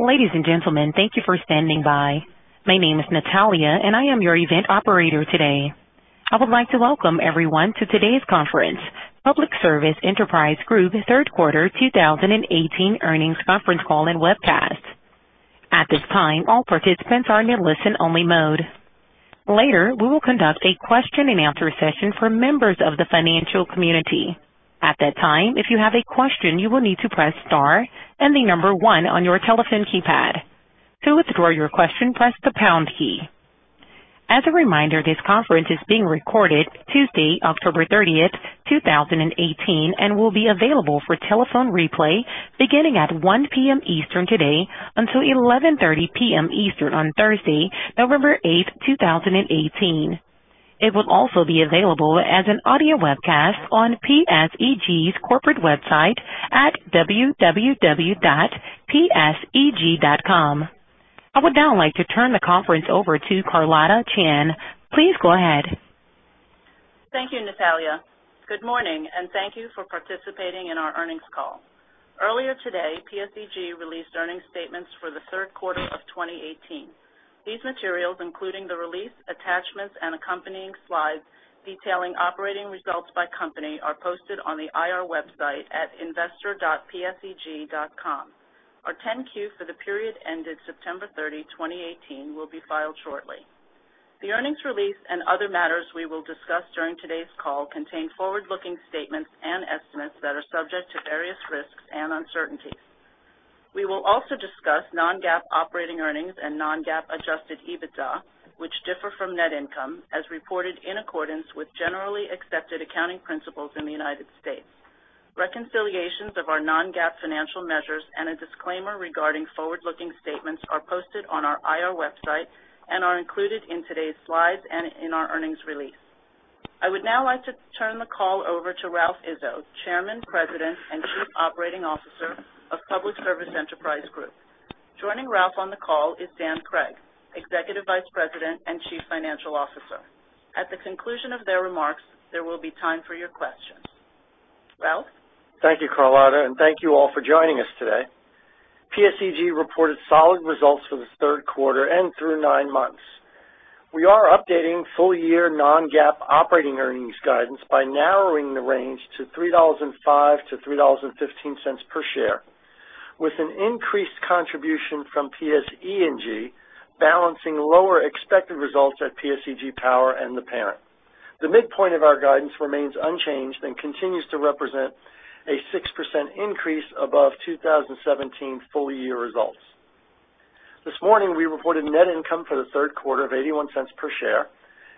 Ladies and gentlemen, thank you for standing by. My name is Natalia, and I am your event operator today. I would like to welcome everyone to today's conference, Public Service Enterprise Group Third Quarter 2018 Earnings Conference Call and Webcast. At this time, all participants are in listen-only mode. Later, we will conduct a question-and-answer session for members of the financial community. At that time, if you have a question, you will need to press star and the number one on your telephone keypad. To withdraw your question, press the pound key. As a reminder, this conference is being recorded Tuesday, October 30th, 2018, and will be available for telephone replay beginning at 1:00 P.M. Eastern today until 11:30 P.M. Eastern on Thursday, November 8th, 2018. It will also be available as an audio webcast on PSEG's corporate website at www.pseg.com. I would now like to turn the conference over to Carlotta Chan. Please go ahead. Thank you, Natalia. Good morning, and thank you for participating in our earnings call. Earlier today, PSEG released earnings statements for the third quarter of 2018. These materials, including the release, attachments, and accompanying slides detailing operating results by company, are posted on the IR website at investor.pseg.com. Our 10-Q for the period ending September 30, 2018, will be filed shortly. The earnings release and other matters we will discuss during today's call contain forward-looking statements and estimates that are subject to various risks and uncertainties. We will also discuss non-GAAP operating earnings and non-GAAP adjusted EBITDA, which differ from net income as reported in accordance with generally accepted accounting principles in the United States. Reconciliations of our non-GAAP financial measures and a disclaimer regarding forward-looking statements are posted on our IR website and are included in today's slides and in our earnings release. I would now like to turn the call over to Ralph Izzo, Chairman, President, and Chief Operating Officer of Public Service Enterprise Group. Joining Ralph on the call is Daniel Cregg, Executive Vice President and Chief Financial Officer. At the conclusion of their remarks, there will be time for your questions. Ralph? Thank you, Carlotta Chan, and thank you all for joining us today. PSEG reported solid results for the third quarter and through nine months. We are updating full-year non-GAAP operating earnings guidance by narrowing the range to $3.05-$3.15 per share, with an increased contribution from PSE&G balancing lower expected results at PSEG Power and the parent. The midpoint of our guidance remains unchanged and continues to represent a 6% increase above 2017 full-year results. This morning, we reported net income for the third quarter of $0.81 per share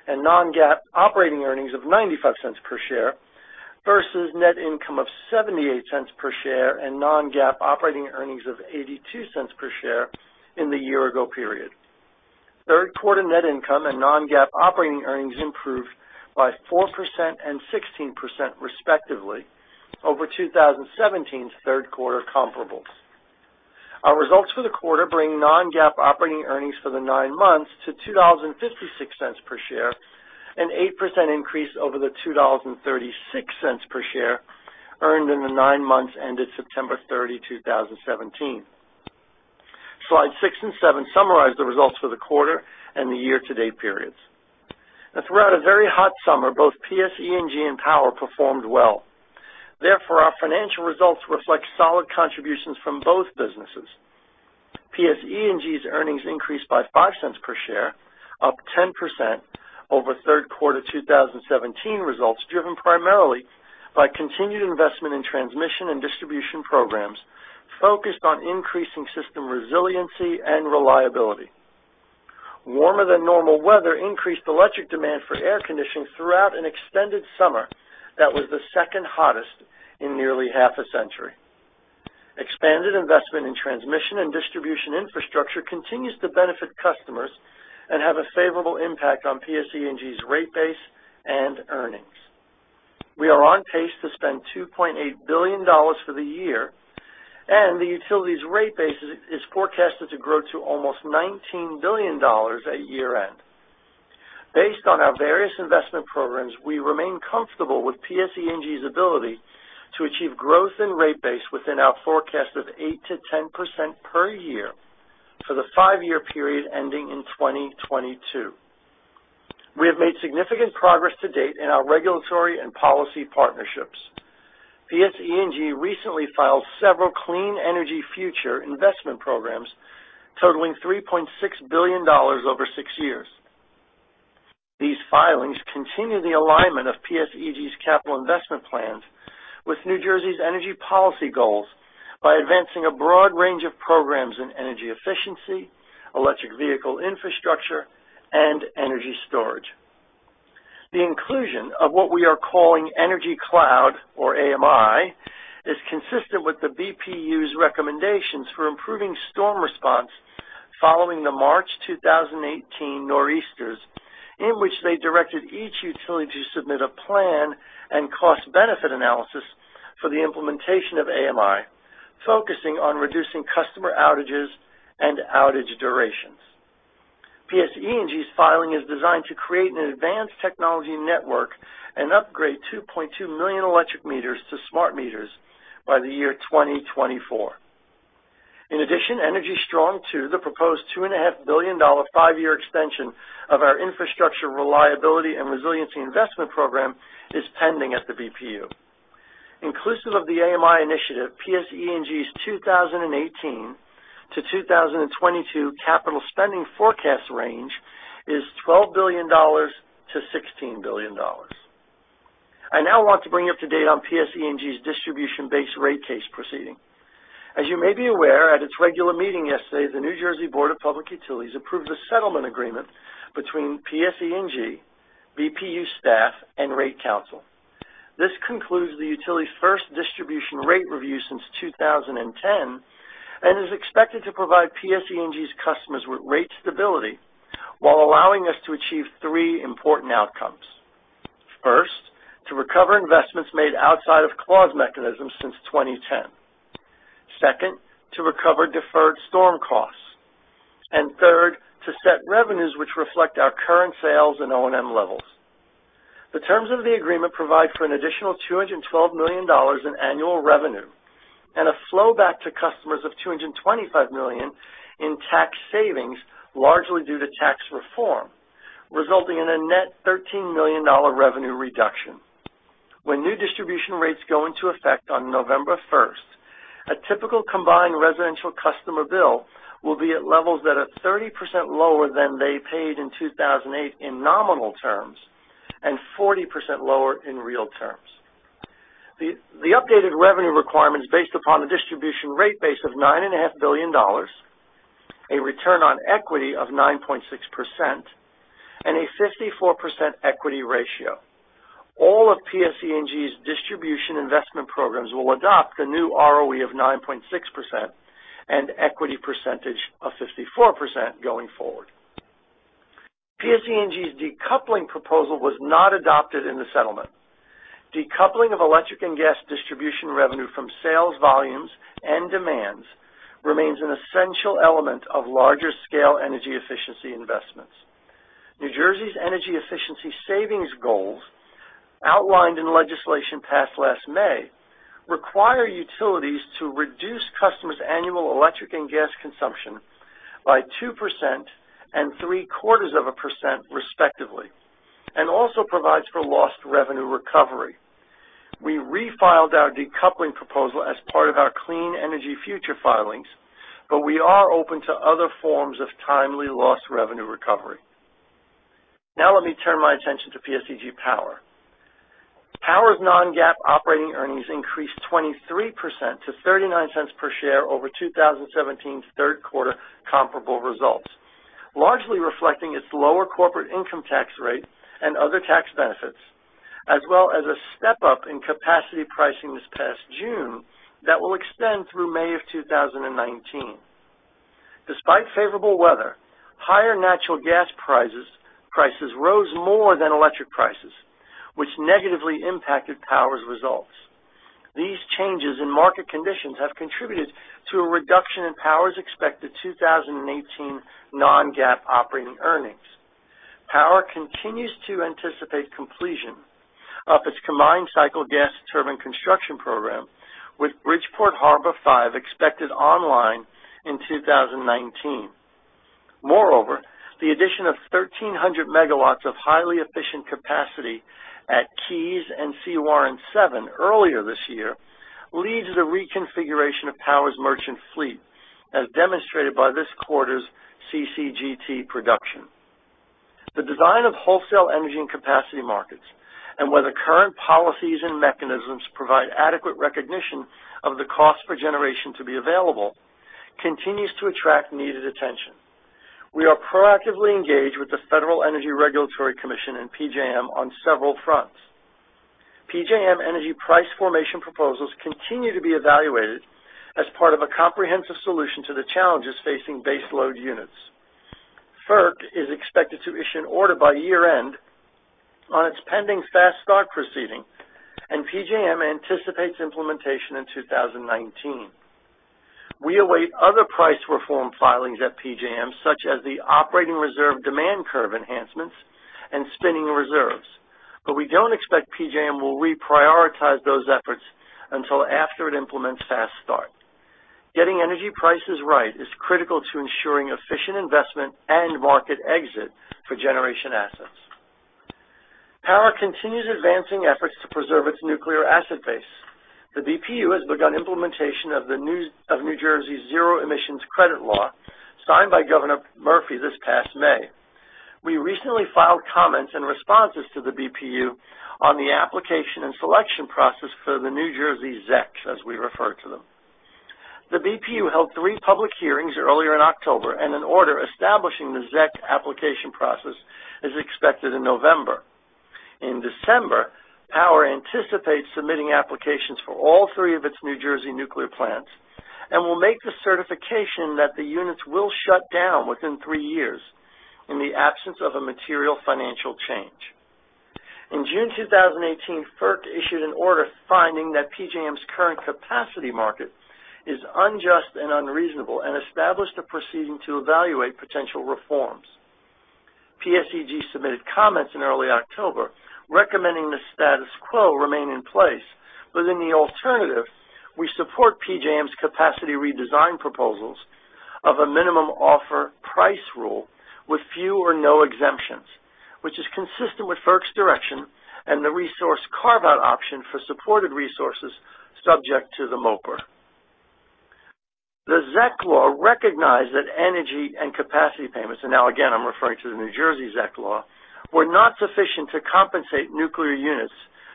and non-GAAP operating earnings of $0.95 per share versus net income of $0.78 per share and non-GAAP operating earnings of $0.82 per share in the year-ago period. Third quarter net income and non-GAAP operating earnings improved by 4% and 16%, respectively, over 2017's third-quarter comparables. Our results for the quarter bring non-GAAP operating earnings for the nine months to $2.56 per share, an 8% increase over the $2.36 per share earned in the nine months ended September 30, 2017. Slide six and seven summarize the results for the quarter and the year-to-date periods. Throughout a very hot summer, both PSE&G and Power performed well. Therefore, our financial results reflect solid contributions from both businesses. PSE&G's earnings increased by $0.05 per share, up 10% over third quarter 2017 results, driven primarily by continued investment in transmission and distribution programs focused on increasing system resiliency and reliability. Warmer-than-normal weather increased electric demand for air conditioning throughout an extended summer that was the second hottest in nearly half a century. Expanded investment in transmission and distribution infrastructure continues to benefit customers and have a favorable impact on PSE&G's rate base and earnings. We are on pace to spend $2.8 billion for the year, and the utility's rate base is forecasted to grow to almost $19 billion at year-end. Based on our various investment programs, we remain comfortable with PSE&G's ability to achieve growth in rate base within our forecast of 8%-10% per year for the five-year period ending in 2022. We have made significant progress to date in our regulatory and policy partnerships. PSE&G recently filed several Clean Energy Future investment programs totaling $3.6 billion over six years. These filings continue the alignment of PSEG's capital investment plans with New Jersey's energy policy goals by advancing a broad range of programs in energy efficiency, electric vehicle infrastructure, and energy storage. The inclusion of what we are calling Energy Cloud or AMI is consistent with the BPU's recommendations for improving storm response following the March 2018 Nor'easters, in which they directed each utility to submit a plan and cost-benefit analysis for the implementation of AMI, focusing on reducing customer outages and outage duration. PSE&G's filing is designed to create an advanced technology network and upgrade 2.2 million electric meters to smart meters by the year 2024. In addition, Energy Strong II, the proposed $2.5 billion five-year extension of our infrastructure reliability and resiliency investment program is pending at the BPU. Inclusive of the AMI initiative, PSE&G's 2018-2022 capital spending forecast range is $12 billion-$16 billion. I now want to bring you up to date on PSE&G's distribution-based rate case proceeding. As you may be aware, at its regular meeting yesterday, the New Jersey Board of Public Utilities approved a settlement agreement between PSE&G, BPU staff, and rate counsel. This concludes the utility's first distribution rate review since 2010, and is expected to provide PSE&G's customers with rate stability while allowing us to achieve three important outcomes. First, to recover investments made outside of clause mechanisms since 2010. Second, to recover deferred storm costs. Third, to set revenues which reflect our current sales and O&M levels. The terms of the agreement provide for an additional $212 million in annual revenue and a flow back to customers of $225 million in tax savings, largely due to tax reform, resulting in a net $13 million revenue reduction. When new distribution rates go into effect on November first, a typical combined residential customer bill will be at levels that are 30% lower than they paid in 2008 in nominal terms, and 40% lower in real terms. The updated revenue requirements based upon the distribution rate base of $9.5 billion, a return on equity of 9.6%, and a 54% equity ratio. All of PSE&G's distribution investment programs will adopt the new ROE of 9.6% and equity percentage of 54% going forward. PSE&G's decoupling proposal was not adopted in the settlement. Decoupling of electric and gas distribution revenue from sales volumes and demands remains an essential element of larger-scale energy efficiency investments. New Jersey's energy efficiency savings goals outlined in legislation passed last May require utilities to reduce customers' annual electric and gas consumption by 2% and three quarters of a percent respectively, and also provides for lost revenue recovery. We refiled our decoupling proposal as part of our Clean Energy Future filings. We are open to other forms of timely lost revenue recovery. Now let me turn my attention to PSEG Power. Power's non-GAAP operating earnings increased 23% to $0.39 per share over 2017's third quarter comparable results, largely reflecting its lower corporate income tax rate and other tax benefits, as well as a step-up in capacity pricing this past June that will extend through May of 2019. Despite favorable weather, higher natural gas prices rose more than electric prices, which negatively impacted Power's results. These changes in market conditions have contributed to a reduction in Power's expected 2018 non-GAAP operating earnings. Power continues to anticipate completion of its combined cycle gas turbine construction program, with Bridgeport Harbor Station 5 expected online in 2019. Moreover, the addition of 1,300 MW of highly efficient capacity at Keys and Sewaren 7 earlier this year leads the reconfiguration of Power's merchant fleet, as demonstrated by this quarter's CCGT production. Sewaren 7 earlier this year leads the reconfiguration of Power's merchant fleet, as demonstrated by this quarter's CCGT production. The design of wholesale energy and capacity markets, and whether current policies and mechanisms provide adequate recognition of the cost for generation to be available, continues to attract needed attention. We are proactively engaged with the Federal Energy Regulatory Commission and PJM on several fronts. PJM energy price formation proposals continue to be evaluated as part of a comprehensive solution to the challenges facing base load units. FERC is expected to issue an order by year-end on its pending fast start proceeding, and PJM anticipates implementation in 2019. We await other price reform filings at PJM, such as the operating reserve demand curve enhancements and spinning reserves. We don't expect PJM will reprioritize those efforts until after it implements fast start. Getting energy prices right is critical to ensuring efficient investment and market exit for generation assets. Power continues advancing efforts to preserve its nuclear asset base. The BPU has begun implementation of New Jersey's Zero Emissions Credit law, signed by Governor Murphy this past May. We recently filed comments and responses to the BPU on the application and selection process for the New Jersey ZECs, as we refer to them. The BPU held three public hearings earlier in October, and an order establishing the ZEC application process is expected in November. In December, Power anticipates submitting applications for all three of its New Jersey nuclear plants and will make the certification that the units will shut down within three years in the absence of a material financial change. In June 2018, FERC issued an order finding that PJM's current capacity market is unjust and unreasonable and established a proceeding to evaluate potential reforms. PSEG submitted comments in early October recommending the status quo remain in place. In the alternative, we support PJM's capacity redesign proposals of a minimum offer price rule with few or no exemptions, which is consistent with FERC's direction and the resource carve-out option for supported resources subject to the MOPR. The ZEC Law recognized that energy and capacity payments, and now again, I'm referring to the New Jersey ZEC Law, were not sufficient to compensate nuclear units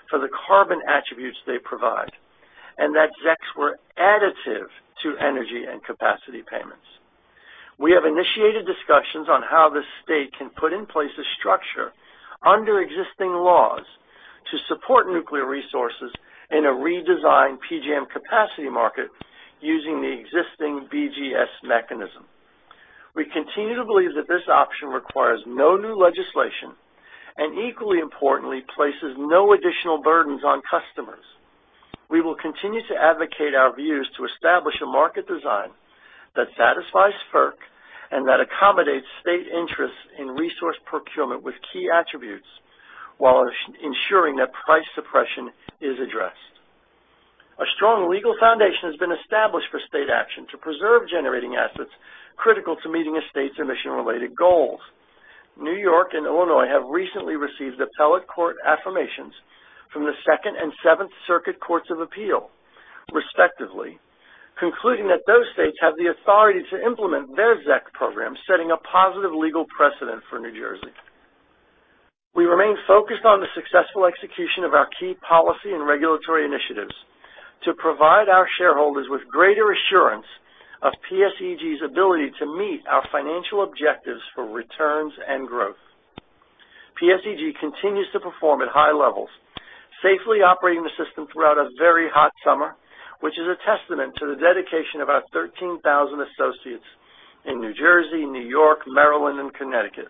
for the carbon attributes they provide, and that ZECs were additive to energy and capacity payments. We have initiated discussions on how the state can put in place a structure under existing laws to support nuclear resources in a redesigned PJM capacity market using the existing BGS mechanism. We continue to believe that this option requires no new legislation, and equally importantly, places no additional burdens on customers. We will continue to advocate our views to establish a market design that satisfies FERC and that accommodates state interests in resource procurement with key attributes while ensuring that price suppression is addressed. A strong legal foundation has been established for state action to preserve generating assets critical to meeting a state's emission-related goals. New York and Illinois have recently received appellate court affirmations from the Second and Seventh Circuit Courts of Appeal, respectively, concluding that those states have the authority to implement their ZEC program, setting a positive legal precedent for New Jersey. We remain focused on the successful execution of our key policy and regulatory initiatives to provide our shareholders with greater assurance of PSEG's ability to meet our financial objectives for returns and growth. PSEG continues to perform at high levels, safely operating the system throughout a very hot summer, which is a testament to the dedication of our 13,000 associates in New Jersey, New York, Maryland, and Connecticut.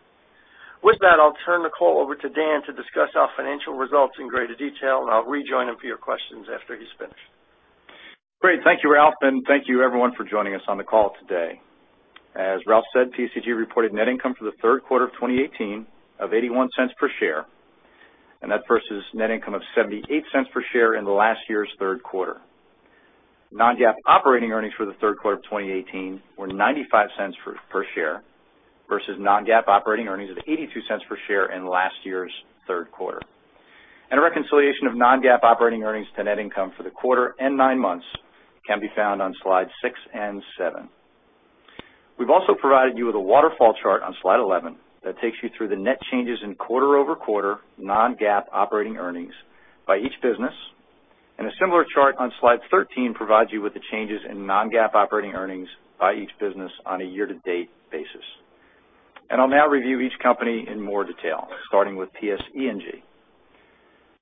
With that, I'll turn the call over to Dan to discuss our financial results in greater detail, and I'll rejoin him for your questions after he's finished. Great. Thank you, Ralph, and thank you everyone for joining us on the call today. As Ralph said, PSEG reported net income for the third quarter of 2018 of $0.81 per share, versus net income of $0.78 per share in last year's third quarter. Non-GAAP operating earnings for the third quarter of 2018 were $0.95 per share versus non-GAAP operating earnings of $0.82 per share in last year's third quarter. A reconciliation of non-GAAP operating earnings to net income for the quarter and nine months can be found on slide six and seven. We've also provided you with a waterfall chart on slide 11 that takes you through the net changes in quarter-over-quarter non-GAAP operating earnings by each business. A similar chart on slide 13 provides you with the changes in non-GAAP operating earnings by each business on a year-to-date basis. I'll now review each company in more detail, starting with PSEG.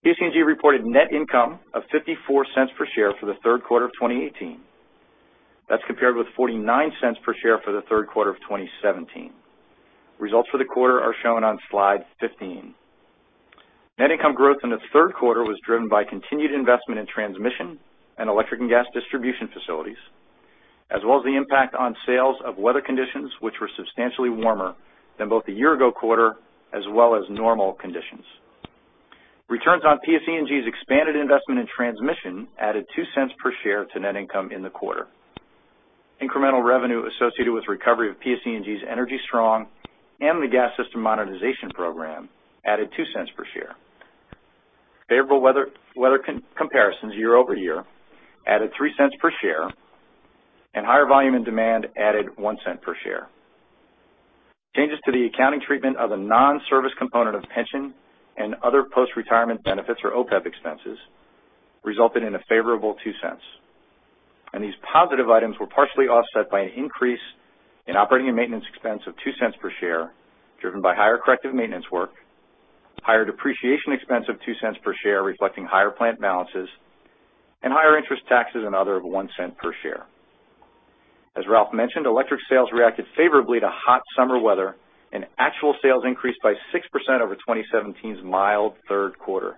PSEG reported net income of $0.54 per share for the third quarter of 2018. That's compared with $0.49 per share for the third quarter of 2017. Results for the quarter are shown on slide 15. Net income growth in the third quarter was driven by continued investment in transmission and electric and gas distribution facilities, as well as the impact on sales of weather conditions, which were substantially warmer than both the year-ago quarter as well as normal conditions. Returns on PSEG's expanded investment in transmission added $0.02 per share to net income in the quarter. Incremental revenue associated with recovery of PSEG's Energy Strong and the Gas System Modernization Program added $0.02 per share. Favorable weather comparisons year-over-year added $0.03 per share, and higher volume and demand added $0.01 per share. Changes to the accounting treatment of a non-service component of pension and other post-retirement benefits, or OPEB expenses, resulted in a favorable $0.02. These positive items were partially offset by an increase in operating and maintenance expense of $0.02 per share, driven by higher corrective maintenance work, higher depreciation expense of $0.02 per share reflecting higher plant balances, and higher interest taxes and other of $0.01 per share. As Ralph mentioned, electric sales reacted favorably to hot summer weather, and actual sales increased by 6% over 2017's mild third quarter.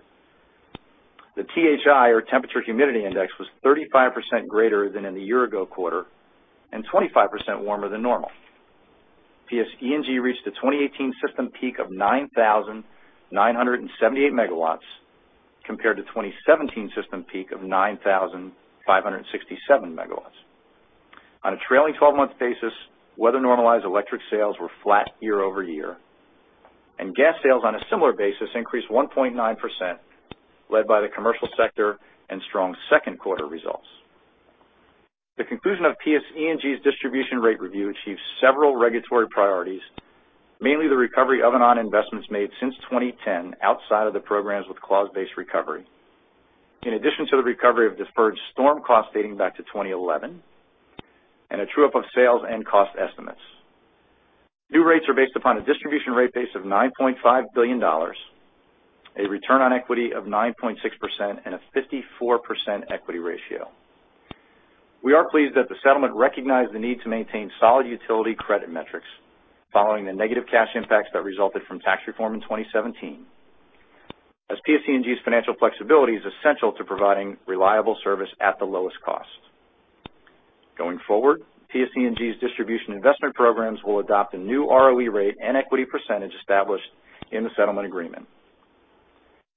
The THI, or Temperature Humidity Index, was 35% greater than in the year-ago quarter and 25% warmer than normal. PSEG reached a 2018 system peak of 9,978 MW compared to 2017 system peak of 9,567 MW. On a trailing 12-month basis, weather-normalized electric sales were flat year-over-year, and gas sales on a similar basis increased 1.9%, led by the commercial sector and strong second quarter results. The conclusion of PSEG's distribution rate review achieved several regulatory priorities, mainly the recovery of and on investments made since 2010 outside of the programs with clause-based recovery, in addition to the recovery of deferred storm costs dating back to 2011 and a true-up of sales and cost estimates. New rates are based upon a distribution rate base of $9.5 billion, a return on equity of 9.6%, and a 54% equity ratio. We are pleased that the settlement recognized the need to maintain solid utility credit metrics following the negative cash impacts that resulted from tax reform in 2017, as PSE&G's financial flexibility is essential to providing reliable service at the lowest cost. Going forward, PSE&G's distribution investment programs will adopt a new ROE rate and equity percentage established in the settlement agreement.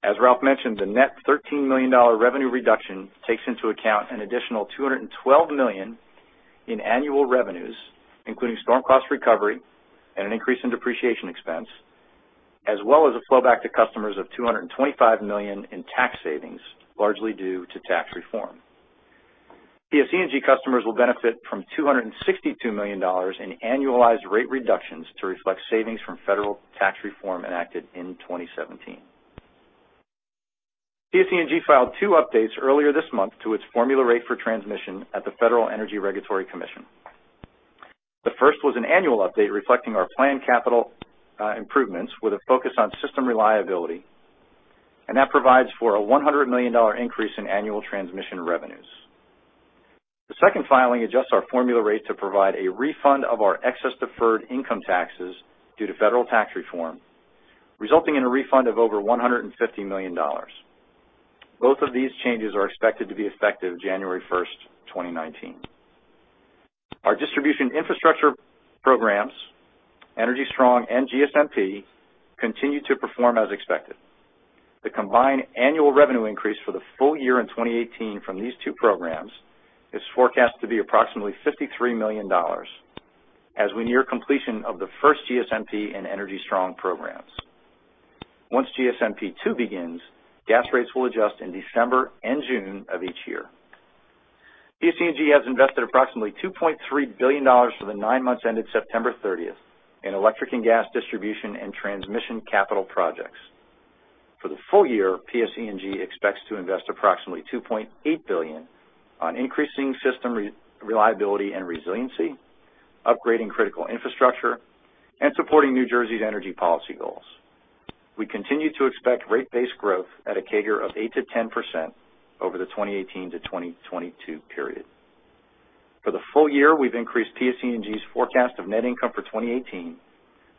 As Ralph mentioned, the net $13 million revenue reduction takes into account an additional $212 million in annual revenues, including storm cost recovery and an increase in depreciation expense, as well as a flowback to customers of $225 million in tax savings, largely due to tax reform. PSE&G customers will benefit from $262 million in annualized rate reductions to reflect savings from federal tax reform enacted in 2017. PSE&G filed two updates earlier this month to its formula rate for transmission at the Federal Energy Regulatory Commission. The first was an annual update reflecting our planned capital improvements with a focus on system reliability, that provides for a $100 million increase in annual transmission revenues. The second filing adjusts our formula rate to provide a refund of our excess deferred income taxes due to federal tax reform, resulting in a refund of over $150 million. Both of these changes are expected to be effective January 1st, 2019. Our distribution infrastructure programs, Energy Strong and GSMP, continue to perform as expected. The combined annual revenue increase for the full year in 2018 from these two programs is forecast to be approximately $53 million as we near completion of the first GSMP and Energy Strong programs. Once GSMP 2 begins, gas rates will adjust in December and June of each year. PSE&G has invested approximately $2.3 billion for the nine months ended September 30th in electric and gas distribution and transmission capital projects. For the full year, PSE&G expects to invest approximately $2.8 billion on increasing system reliability and resiliency, upgrading critical infrastructure, and supporting New Jersey's energy policy goals. We continue to expect rate-based growth at a CAGR of 8%-10% over the 2018 to 2022 period. For the full year, we've increased PSE&G's forecast of net income for 2018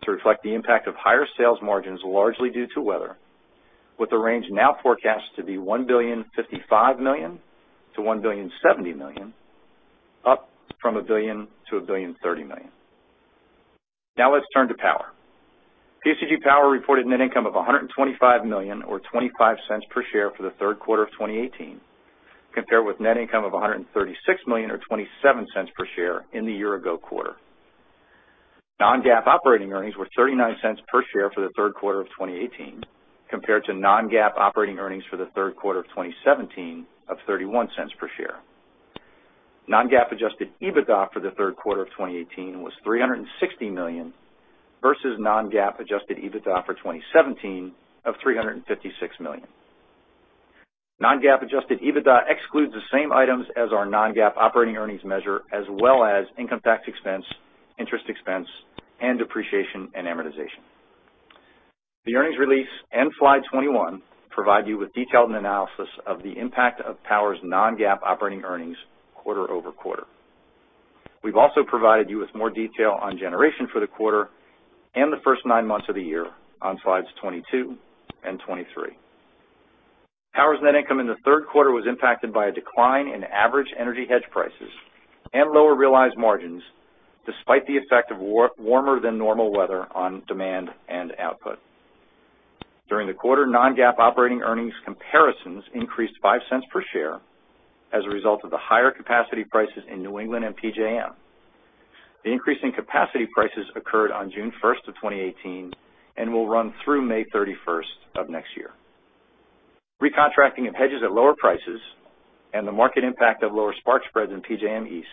to reflect the impact of higher sales margins, largely due to weather, with the range now forecast to be $1.055 billion-$1.070 billion, up from $1 billion-$1.030 billion. Let's turn to PSEG Power. PSEG Power reported net income of $125 million or $0.25 per share for the third quarter of 2018, compared with net income of $136 million or $0.27 per share in the year-ago quarter. Non-GAAP operating earnings were $0.39 per share for the third quarter of 2018 compared to non-GAAP operating earnings for the third quarter of 2017 of $0.31 per share. Non-GAAP adjusted EBITDA for the third quarter of 2018 was $360 million versus non-GAAP adjusted EBITDA for 2017 of $356 million. Non-GAAP adjusted EBITDA excludes the same items as our non-GAAP operating earnings measure, as well as income tax expense, interest expense, and depreciation and amortization. The earnings release and slide 21 provide you with detailed analysis of the impact of Power's non-GAAP operating earnings quarter-over-quarter. We've also provided you with more detail on generation for the quarter and the first nine months of the year on slides 22 and 23. Power's net income in the third quarter was impacted by a decline in average energy hedge prices and lower realized margins, despite the effect of warmer than normal weather on demand and output. During the quarter, non-GAAP operating earnings comparisons increased $0.05 per share as a result of the higher capacity prices in New England and PJM. The increase in capacity prices occurred on June 1, 2018 and will run through May 31 of next year. Recontracting of hedges at lower prices and the market impact of lower spark spreads in PJM East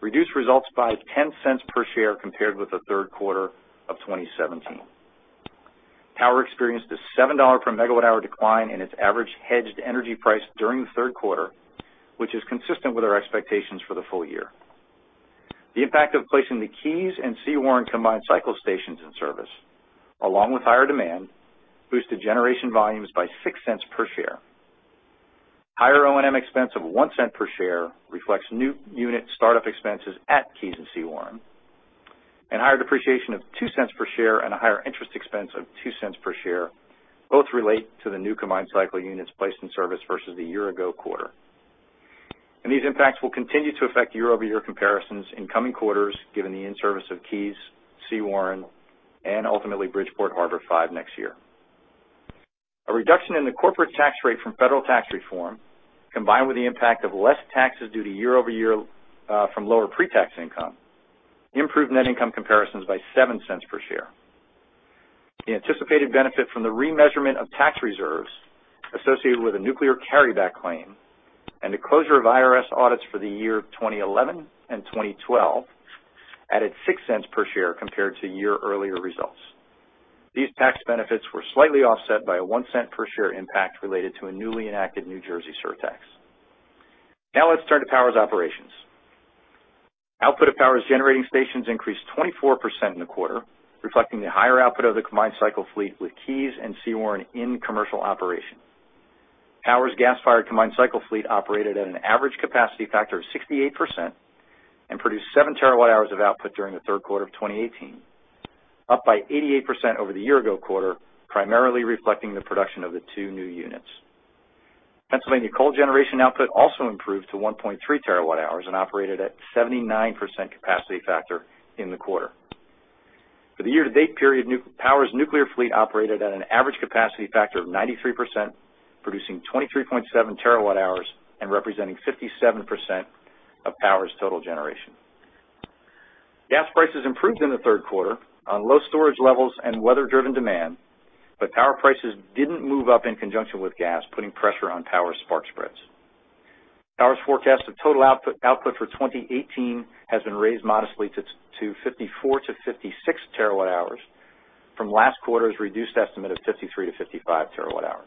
reduced results by $0.10 per share compared with the third quarter of 2017. Power experienced a $7 per megawatt-hour decline in its average hedged energy price during the third quarter, which is consistent with our expectations for the full year. The impact of placing the Keys and Sewaren combined cycle stations in service, along with higher demand, boosted generation volumes by $0.06 per share. Higher O&M expense of $0.01 per share reflects new unit startup expenses at Keys and Sewaren, and higher depreciation of $0.02 per share and a higher interest expense of $0.02 per share both relate to the new combined cycle units placed in service versus the year-ago quarter. These impacts will continue to affect year-over-year comparisons in coming quarters, given the in-service of Keys, Sewaren, and ultimately Bridgeport Harbor 5 next year. A reduction in the corporate tax rate from federal tax reform, combined with the impact of less taxes due to year-over-year, from lower pre-tax income, improved net income comparisons by $0.07 per share. The anticipated benefit from the remeasurement of tax reserves associated with a nuclear carryback claim and the closure of IRS audits for the year 2011 and 2012 added $0.06 per share compared to year-earlier results. These tax benefits were slightly offset by a $0.01 per share impact related to a newly enacted New Jersey surtax. Now let's turn to Power's operations. Output of Power's generating stations increased 24% in the quarter, reflecting the higher output of the combined cycle fleet with Keys and Sewaren in commercial operation. Power's gas-fired combined cycle fleet operated at an average capacity factor of 68% and produced 7 TWh of output during the third quarter of 2018, up by 88% over the year-ago quarter, primarily reflecting the production of the two new units. Pennsylvania coal generation output also improved to 1.3 TWh and operated at 79% capacity factor in the quarter. For the year-to-date period, Power's nuclear fleet operated at an average capacity factor of 93%, producing 23.7 TWh and representing 57% of Power's total generation. Gas prices improved in the third quarter on low storage levels and weather-driven demand. Power prices didn't move up in conjunction with gas, putting pressure on Power's spark spreads. Power's forecast of total output for 2018 has been raised modestly to 54TWh-56 TWh from last quarter's reduced estimate of 53 TWh-55 TWh.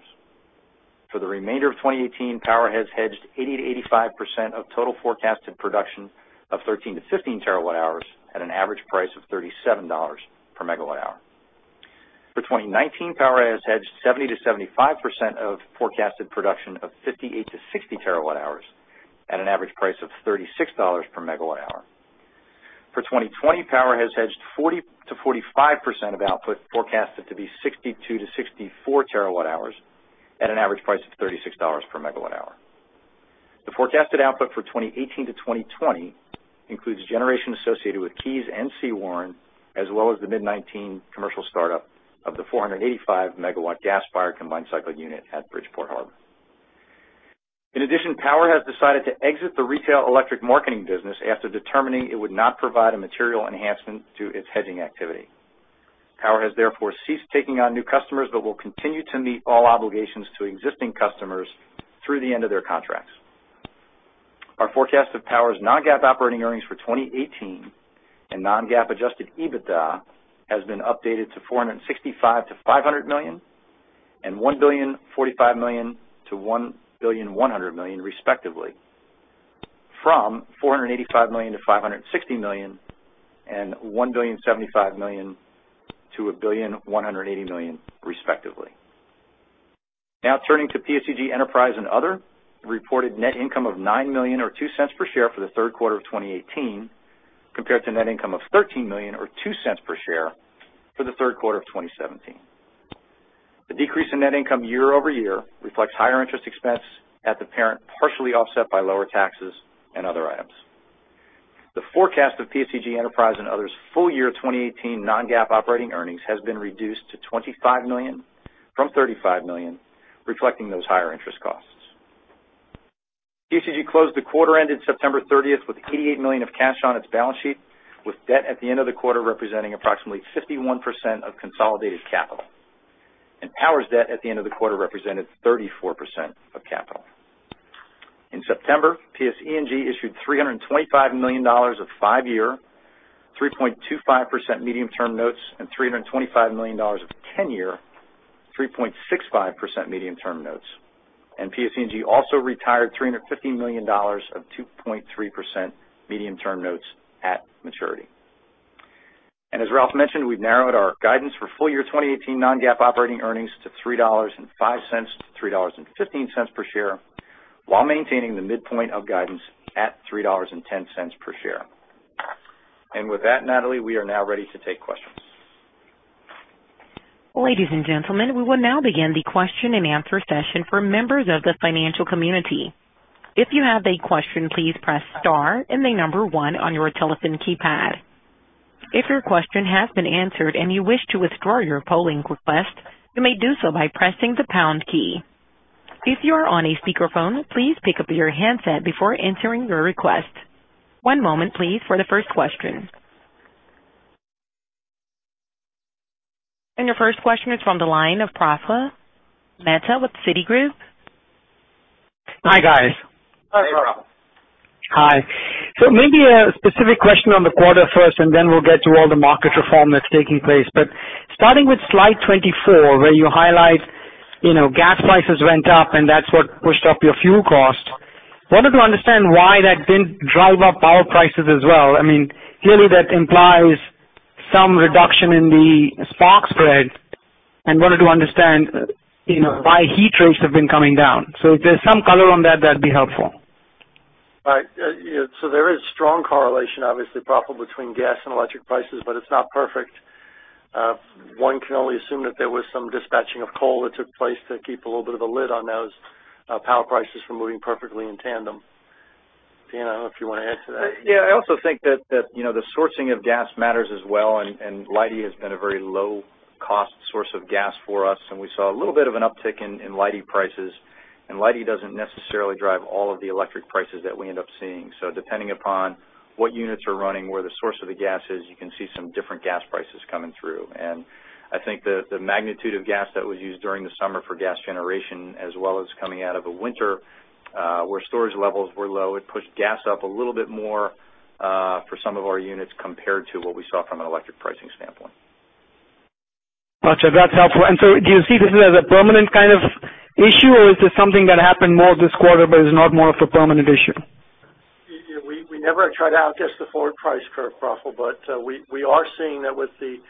For the remainder of 2018, Power has hedged 80%-85% of total forecasted production of 13 TWh-15 TWh at an average price of $37/MWh. For 2019, Power has hedged 70%-75% of forecasted production of 58 TWh-60 TWh at an average price of $36/MWh. For 2020, Power has hedged 40%-45% of output forecasted to be 62 TWh-64 TWh at an average price of $36/MWh. The forecasted output for 2018-2020 includes generation associated with Keys and Sewaren, as well as the mid 2019 commercial startup of the 485 MW gas-fired combined cycle unit at Bridgeport Harbor. In addition, Power has decided to exit the retail electric marketing business after determining it would not provide a material enhancement to its hedging activity. Power has therefore ceased taking on new customers but will continue to meet all obligations to existing customers through the end of their contracts. Our forecast of Power's non-GAAP operating earnings for 2018 and non-GAAP adjusted EBITDA has been updated to $465 million-$500 million and $1,045 million-$1,100 million respectively, from $485 million-$560 million and $1,075 million-$1,180 million respectively. Turning to PSEG Enterprise and Other. Reported net income of $9 million or $0.02 per share for the third quarter of 2018 compared to net income of $13 million or $0.02 per share for the third quarter of 2017. The decrease in net income year-over-year reflects higher interest expense at the parent, partially offset by lower taxes and other items. The forecast of PSEG Enterprise and Other's full-year 2018 non-GAAP operating earnings has been reduced to $25 million from $35 million, reflecting those higher interest costs. PSEG closed the quarter ended September 30th with $88 million of cash on its balance sheet, with debt at the end of the quarter representing approximately 51% of consolidated capital. Power's debt at the end of the quarter represented 34% of capital. September, PSE&G issued $325 million of five-year, 3.25% medium-term notes and $325 million of 10-year, 3.65% medium-term notes. PSE&G also retired $350 million of 2.3% medium-term notes at maturity. As Ralph mentioned, we've narrowed our guidance for full-year 2018 non-GAAP operating earnings to $3.05-$3.15 per share while maintaining the midpoint of guidance at $3.10 per share. With that, Natalia, we are now ready to take questions. Ladies and gentlemen, we will now begin the question-and-answer session for members of the financial community. If you have a question, please press star and the number one on your telephone keypad. If your question has been answered and you wish to withdraw your polling request, you may do so by pressing the pound key. If you are on a speakerphone, please pick up your handset before entering your request. One moment please for the first question. Your first question is from the line of Praful Mehta with Citigroup. Hi, guys. Hi, Praful. Hi. Maybe a specific question on the quarter first, then we'll get to all the market reform that's taking place. Starting with slide 24, where you highlight gas prices went up and that's what pushed up your fuel cost. Wanted to understand why that didn't drive up power prices as well. Clearly, that implies some reduction in the spark spread, and wanted to understand why heat rates have been coming down. If there's some color on that'd be helpful. Right. There is strong correlation, obviously, Praful, between gas and electric prices, but it's not perfect. One can only assume that there was some dispatching of coal that took place to keep a little bit of a lid on those power prices from moving perfectly in tandem. Dan, I don't know if you want to add to that. Yeah. I also think that the sourcing of gas matters as well, Leidy has been a very low-cost source of gas for us, and we saw a little bit of an uptick in Leidy prices. Leidy doesn't necessarily drive all of the electric prices that we end up seeing. Depending upon what units are running, where the source of the gas is, you can see some different gas prices coming through. I think the magnitude of gas that was used during the summer for gas generation as well as coming out of the winter, where storage levels were low, it pushed gas up a little bit more for some of our units compared to what we saw from an electric pricing standpoint. Gotcha. That's helpful. Do you see this as a permanent kind of issue, or is this something that happened more this quarter but is not more of a permanent issue? We never try to outguess the forward price curve, Praful, but we are seeing that with the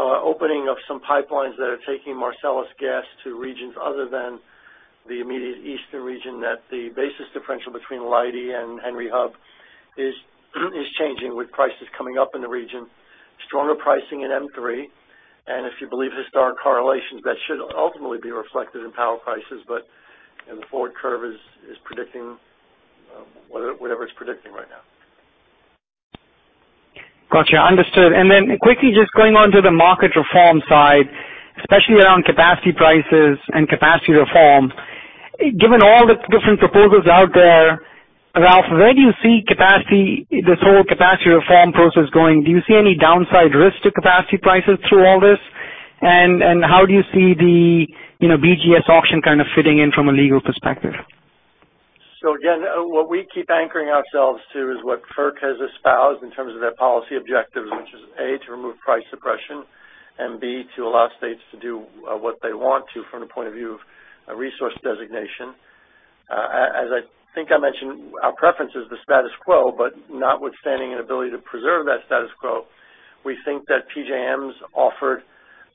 opening of some pipelines that are taking Marcellus gas to regions other than the immediate eastern region, that the basis differential between Leidy and Henry Hub is changing with prices coming up in the region, stronger pricing in M3. If you believe historic correlations, that should ultimately be reflected in power prices. The forward curve is predicting whatever it's predicting right now. Gotcha. Understood. Quickly, just going on to the market reform side, especially around capacity prices and capacity reforms. Given all the different proposals out there, Ralph, where do you see this whole capacity reform process going? Do you see any downside risk to capacity prices through all this? How do you see the BGS auction fitting in from a legal perspective? Again, what we keep anchoring ourselves to is what FERC has espoused in terms of their policy objectives, which is, A, to remove price suppression, and B, to allow states to do what they want to from the point of view of resource designation. As I think I mentioned, our preference is the status quo, notwithstanding an ability to preserve that status quo, we think that PJM has offered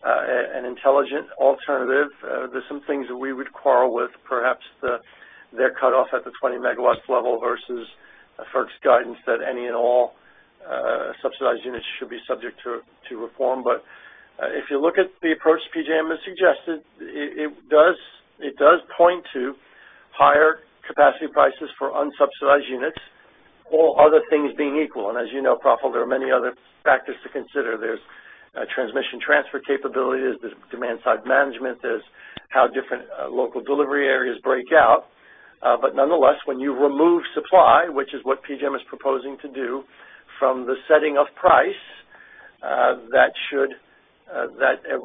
an intelligent alternative. There are some things that we would quarrel with, perhaps their cutoff at the 20 MW level versus FERC's guidance that any and all subsidized units should be subject to reform. If you look at the approach PJM has suggested, it does point to higher capacity prices for unsubsidized units, all other things being equal. As you know, Praful, there are many other factors to consider. There's transmission transfer capability, there's demand-side management, there's how different local delivery areas break out. Nonetheless, when you remove supply, which is what PJM is proposing to do from the setting of price,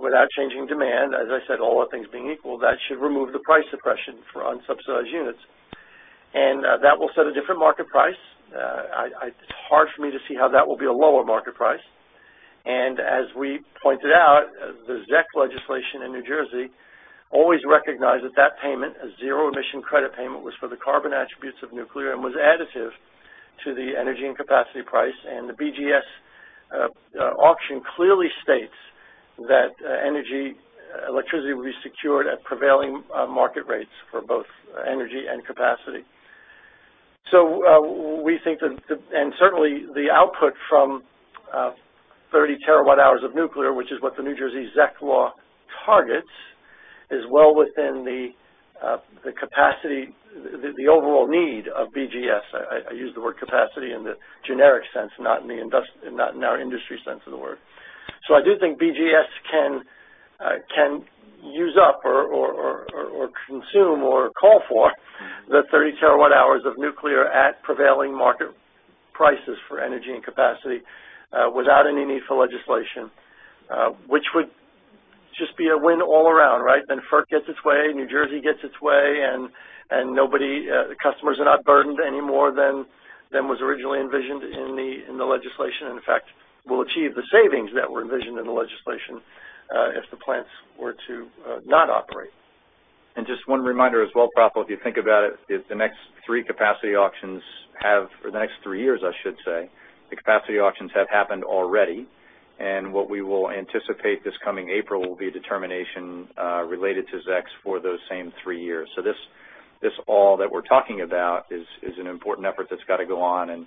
without changing demand, as I said, all other things being equal, that should remove the price suppression for unsubsidized units. That will set a different market price. It's hard for me to see how that will be a lower market price. As we pointed out, the ZEC legislation in New Jersey always recognized that that payment, a Zero Emissions Credit payment, was for the carbon attributes of nuclear and was additive to the energy and capacity price. The BGS auction clearly states that energy electricity will be secured at prevailing market rates for both energy and capacity. Certainly, the output from 30 TWh of nuclear, which is what the New Jersey ZEC law targets, is well within the capacity, the overall need of BGS. I use the word capacity in the generic sense, not in our industry sense of the word. I do think BGS can use up or consume or call for the 30 TWh of nuclear at prevailing market prices for energy and capacity without any need for legislation, which would just be a win all around, right? FERC gets its way, New Jersey gets its way, and the customers are not burdened any more than was originally envisioned in the legislation, and in fact, will achieve the savings that were envisioned in the legislation if the plants were to not operate. Just one reminder as well, Praful, if you think about it, the next three capacity auctions have, for the next three years, I should say, the capacity auctions have happened already, and what we will anticipate this coming April will be a determination related to ZECs for those same three years. This all that we're talking about is an important effort that's got to go on, and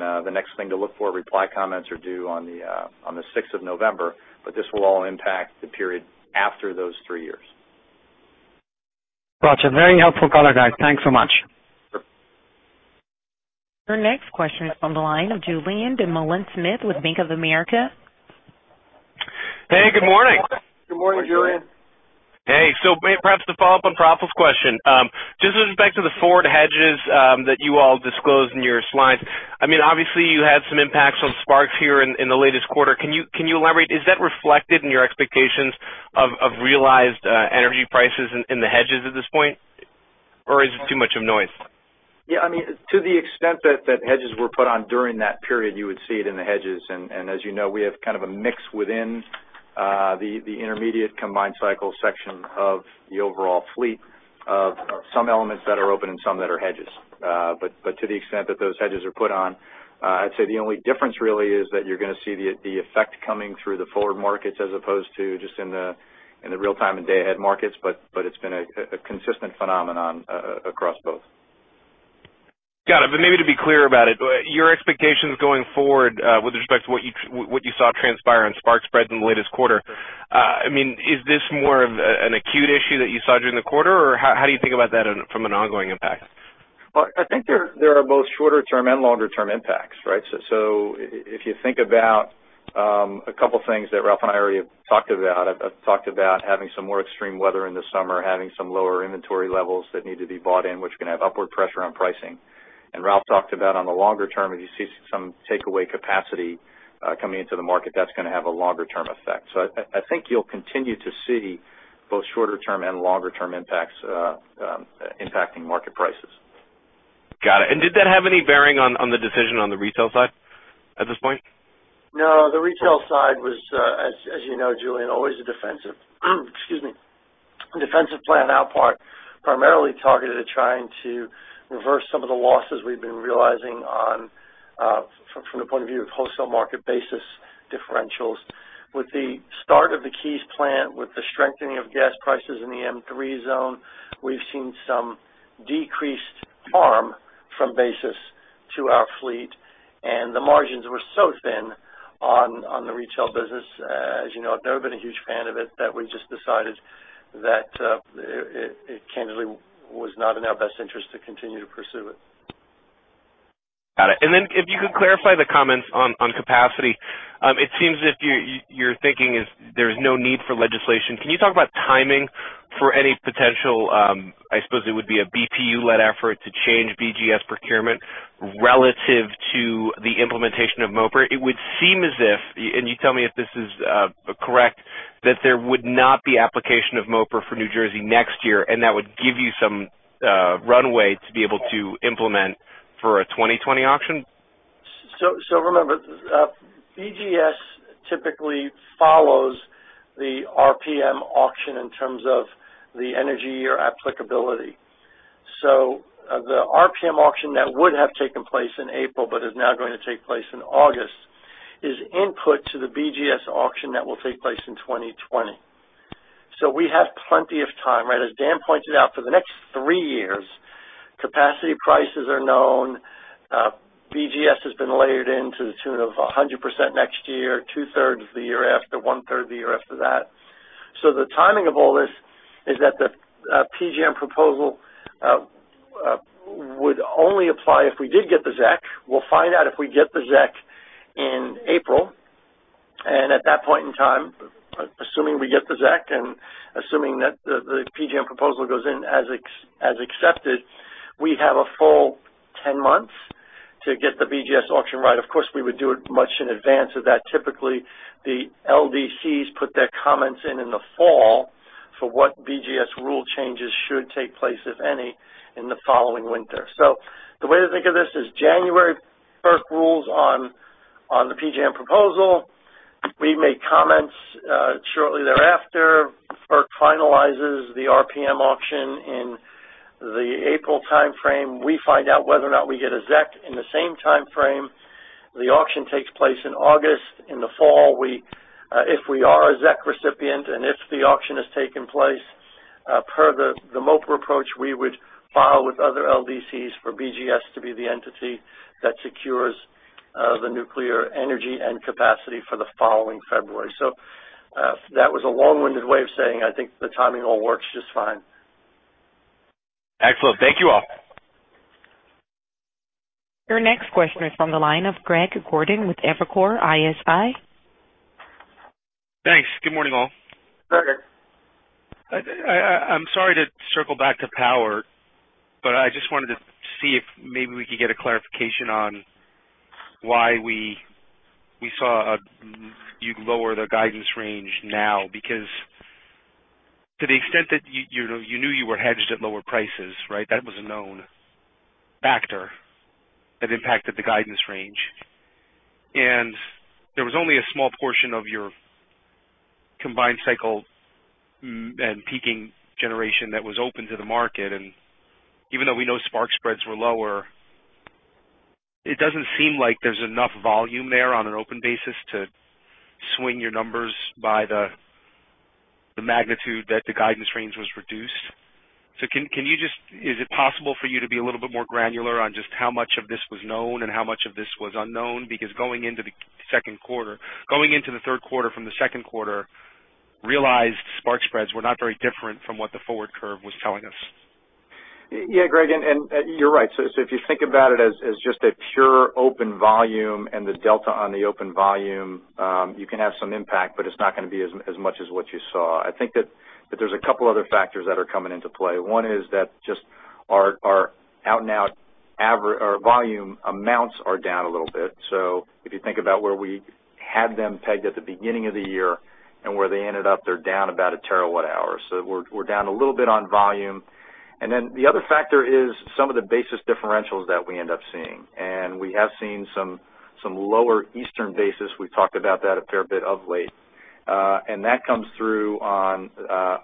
the next thing to look for, reply comments are due on the 6th of November. This will all impact the period after those three years. Gotcha. Very helpful color, guys. Thanks so much. Sure. Your next question is from the line of Julien Dumoulin-Smith with Bank of America. Hey, good morning. Good morning, Julien. Hey. Perhaps to follow up on Praful's question, just with respect to the forward hedges that you all disclosed in your slides, obviously you had some impacts on sparks here in the latest quarter. Can you elaborate? Is that reflected in your expectations of realized energy prices in the hedges at this point? Or is it too much of noise? Yeah. To the extent that hedges were put on during that period, you would see it in the hedges. As you know, we have a mix within the intermediate combined cycle section of the overall fleet of some elements that are open and some that are hedges. To the extent that those hedges are put on, I'd say the only difference really is that you're going to see the effect coming through the forward markets as opposed to just in the real-time and day-ahead markets. It's been a consistent phenomenon across both. Got it. Maybe to be clear about it, your expectations going forward with respect to what you saw transpire on spark spreads in the latest quarter, is this more of an acute issue that you saw during the quarter, or how do you think about that from an ongoing impact? Well, I think there are both shorter-term and longer-term impacts, right? If you think about a couple things that Ralph and I already have talked about. I've talked about having some more extreme weather in the summer, having some lower inventory levels that need to be bought in, which can have upward pressure on pricing. Ralph talked about on the longer term, if you see some takeaway capacity coming into the market, that's going to have a longer-term effect. I think you'll continue to see both shorter-term and longer-term impacts impacting market prices. Got it. Did that have any bearing on the decision on the retail side at this point? No, the retail side was, as you know, Julien, always a defensive plan on our part, primarily targeted at trying to reverse some of the losses we've been realizing from the point of view of wholesale market basis differentials. With the start of the Keys plant, with the strengthening of gas prices in the M3 zone, we've seen some decreased harm from basis to our fleet, and the margins were so thin on the retail business. As you know, I've never been a huge fan of it, that we just decided that it candidly was not in our best interest to continue to pursue it. Got it. If you could clarify the comments on capacity. It seems as if you're thinking is there's no need for legislation. Can you talk about timing for any potential, I suppose it would be a BPU-led effort to change BGS procurement relative to the implementation of MOPR? It would seem as if, and you tell me if this is correct, that there would not be application of MOPR for New Jersey next year, and that would give you some runway to be able to implement for a 2020 auction. Remember, BGS typically follows the RPM auction in terms of the energy or applicability. The RPM auction that would have taken place in April but is now going to take place in August is input to the BGS auction that will take place in 2020. We have plenty of time, right? As Dan pointed out, for the next three years, capacity prices are known. BGS has been layered in to the tune of 100% next year, two-thirds the year after, one-third the year after that. The timing of all this is that the PJM proposal would only apply if we did get the ZEC. We'll find out if we get the ZEC in April, at that point in time, assuming we get the ZEC and assuming that the PJM proposal goes in as accepted, we have a full 10 months to get the BGS auction right. Of course, we would do it much in advance of that. Typically, the LDCs put their comments in in the fall for what BGS rule changes should take place, if any, in the following winter. The way to think of this is January 1st, rules on the PJM proposal. We make comments shortly thereafter. FERC finalizes the RPM auction in the April timeframe. We find out whether or not we get a ZEC in the same timeframe. The auction takes place in August. In the fall, if we are a ZEC recipient and if the auction has taken place, per the MOPR approach, we would file with other LDCs for BGS to be the entity that secures the nuclear energy and capacity for the following February. That was a long-winded way of saying I think the timing all works just fine. Excellent. Thank you all. Your next question is from the line of Greg Gordon with Evercore ISI. Thanks. Good morning, all. Greg. I just wanted to see if maybe we could get a clarification on why we saw you lower the guidance range now. To the extent that you knew you were hedged at lower prices, right? That was a known factor that impacted the guidance range. There was only a small portion of your combined cycle and peaking generation that was open to the market. Even though we know spark spreads were lower, it doesn't seem like there's enough volume there on an open basis to swing your numbers by the magnitude that the guidance range was reduced. Is it possible for you to be a little bit more granular on just how much of this was known and how much of this was unknown? Going into the third quarter from the second quarter, realized spark spreads were not very different from what the forward curve was telling us. Greg, you're right. If you think about it as just a pure open volume and the delta on the open volume, you can have some impact, but it's not going to be as much as what you saw. I think that there's a couple other factors that are coming into play. One is that just our volume amounts are down a little bit. If you think about where we had them pegged at the beginning of the year and where they ended up, they're down about a terawatt hour. We're down a little bit on volume. Then the other factor is some of the basis differentials that we end up seeing. We have seen some lower eastern basis. We've talked about that a fair bit of late. That comes through on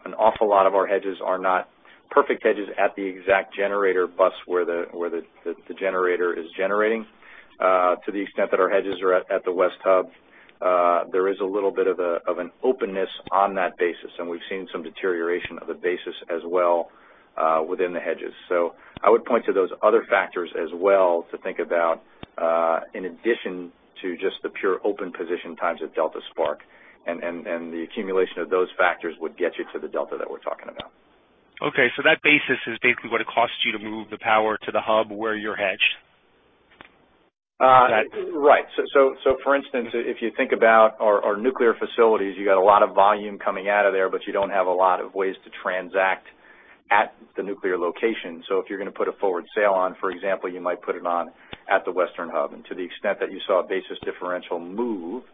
an awful lot of our hedges are not perfect hedges at the exact generator bus where the generator is generating. To the extent that our hedges are at the west hub, there is a little bit of an openness on that basis, and we've seen some deterioration of the basis as well within the hedges. I would point to those other factors as well to think about in addition to just the pure open position times the delta spark, and the accumulation of those factors would get you to the delta that we're talking about. Okay. That basis is basically what it costs you to move the power to the hub where you're hedged? Right. For instance, if you think about our nuclear facilities, you got a lot of volume coming out of there, but you don't have a lot of ways to transact at the nuclear location. If you're going to put a forward sale on, for example, you might put it on at the western hub. To the extent that you saw a basis differential move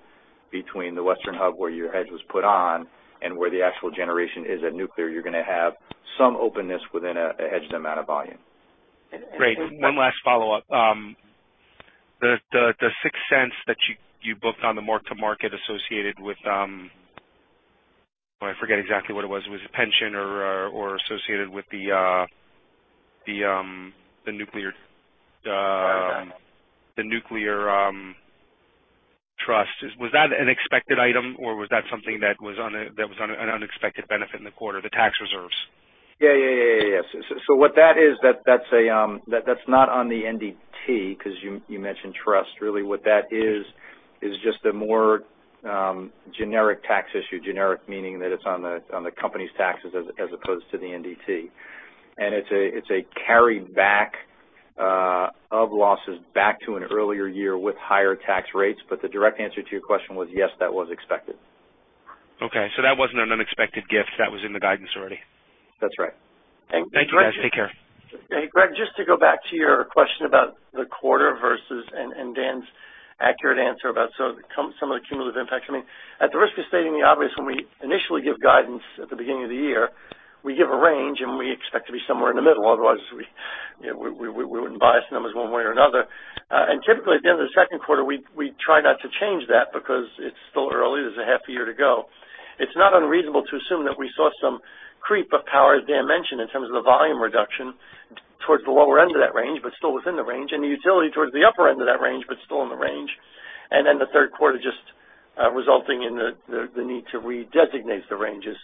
Between the western hub where your hedge was put on and where the actual generation is at nuclear, you're going to have some openness within a hedged amount of volume. Great. One last follow-up. The sixth sense that you booked on the mark-to-market associated with, I forget exactly what it was. Was it pension or associated with the nuclear- Trust the nuclear trust. Was that an expected item, or was that something that was an unexpected benefit in the quarter, the tax reserves? Yeah. What that is, that is not on the NDT, because you mentioned trust. Really, what that is just a more generic tax issue. Generic meaning that it is on the company's taxes as opposed to the NDT. It is a carry back of losses back to an earlier year with higher tax rates. The direct answer to your question was yes, that was expected. Okay. That was not an unexpected gift. That was in the guidance already. That's right. Thank you, guys. Take care. Hey, Greg, just to go back to your question about the quarter versus, Dan's accurate answer about some of the cumulative impacts. I mean, at the risk of stating the obvious, when we initially give guidance at the beginning of the year, we give a range, and we expect to be somewhere in the middle. Otherwise, we wouldn't bias numbers one way or another. Typically, at the end of the second quarter, we try not to change that because it's still early. There's a half year to go. It's not unreasonable to assume that we saw some creep of power, as Dan mentioned, in terms of the volume reduction towards the lower end of that range, but still within the range, and the utility towards the upper end of that range, but still in the range. The third quarter just resulting in the need to redesignate the ranges.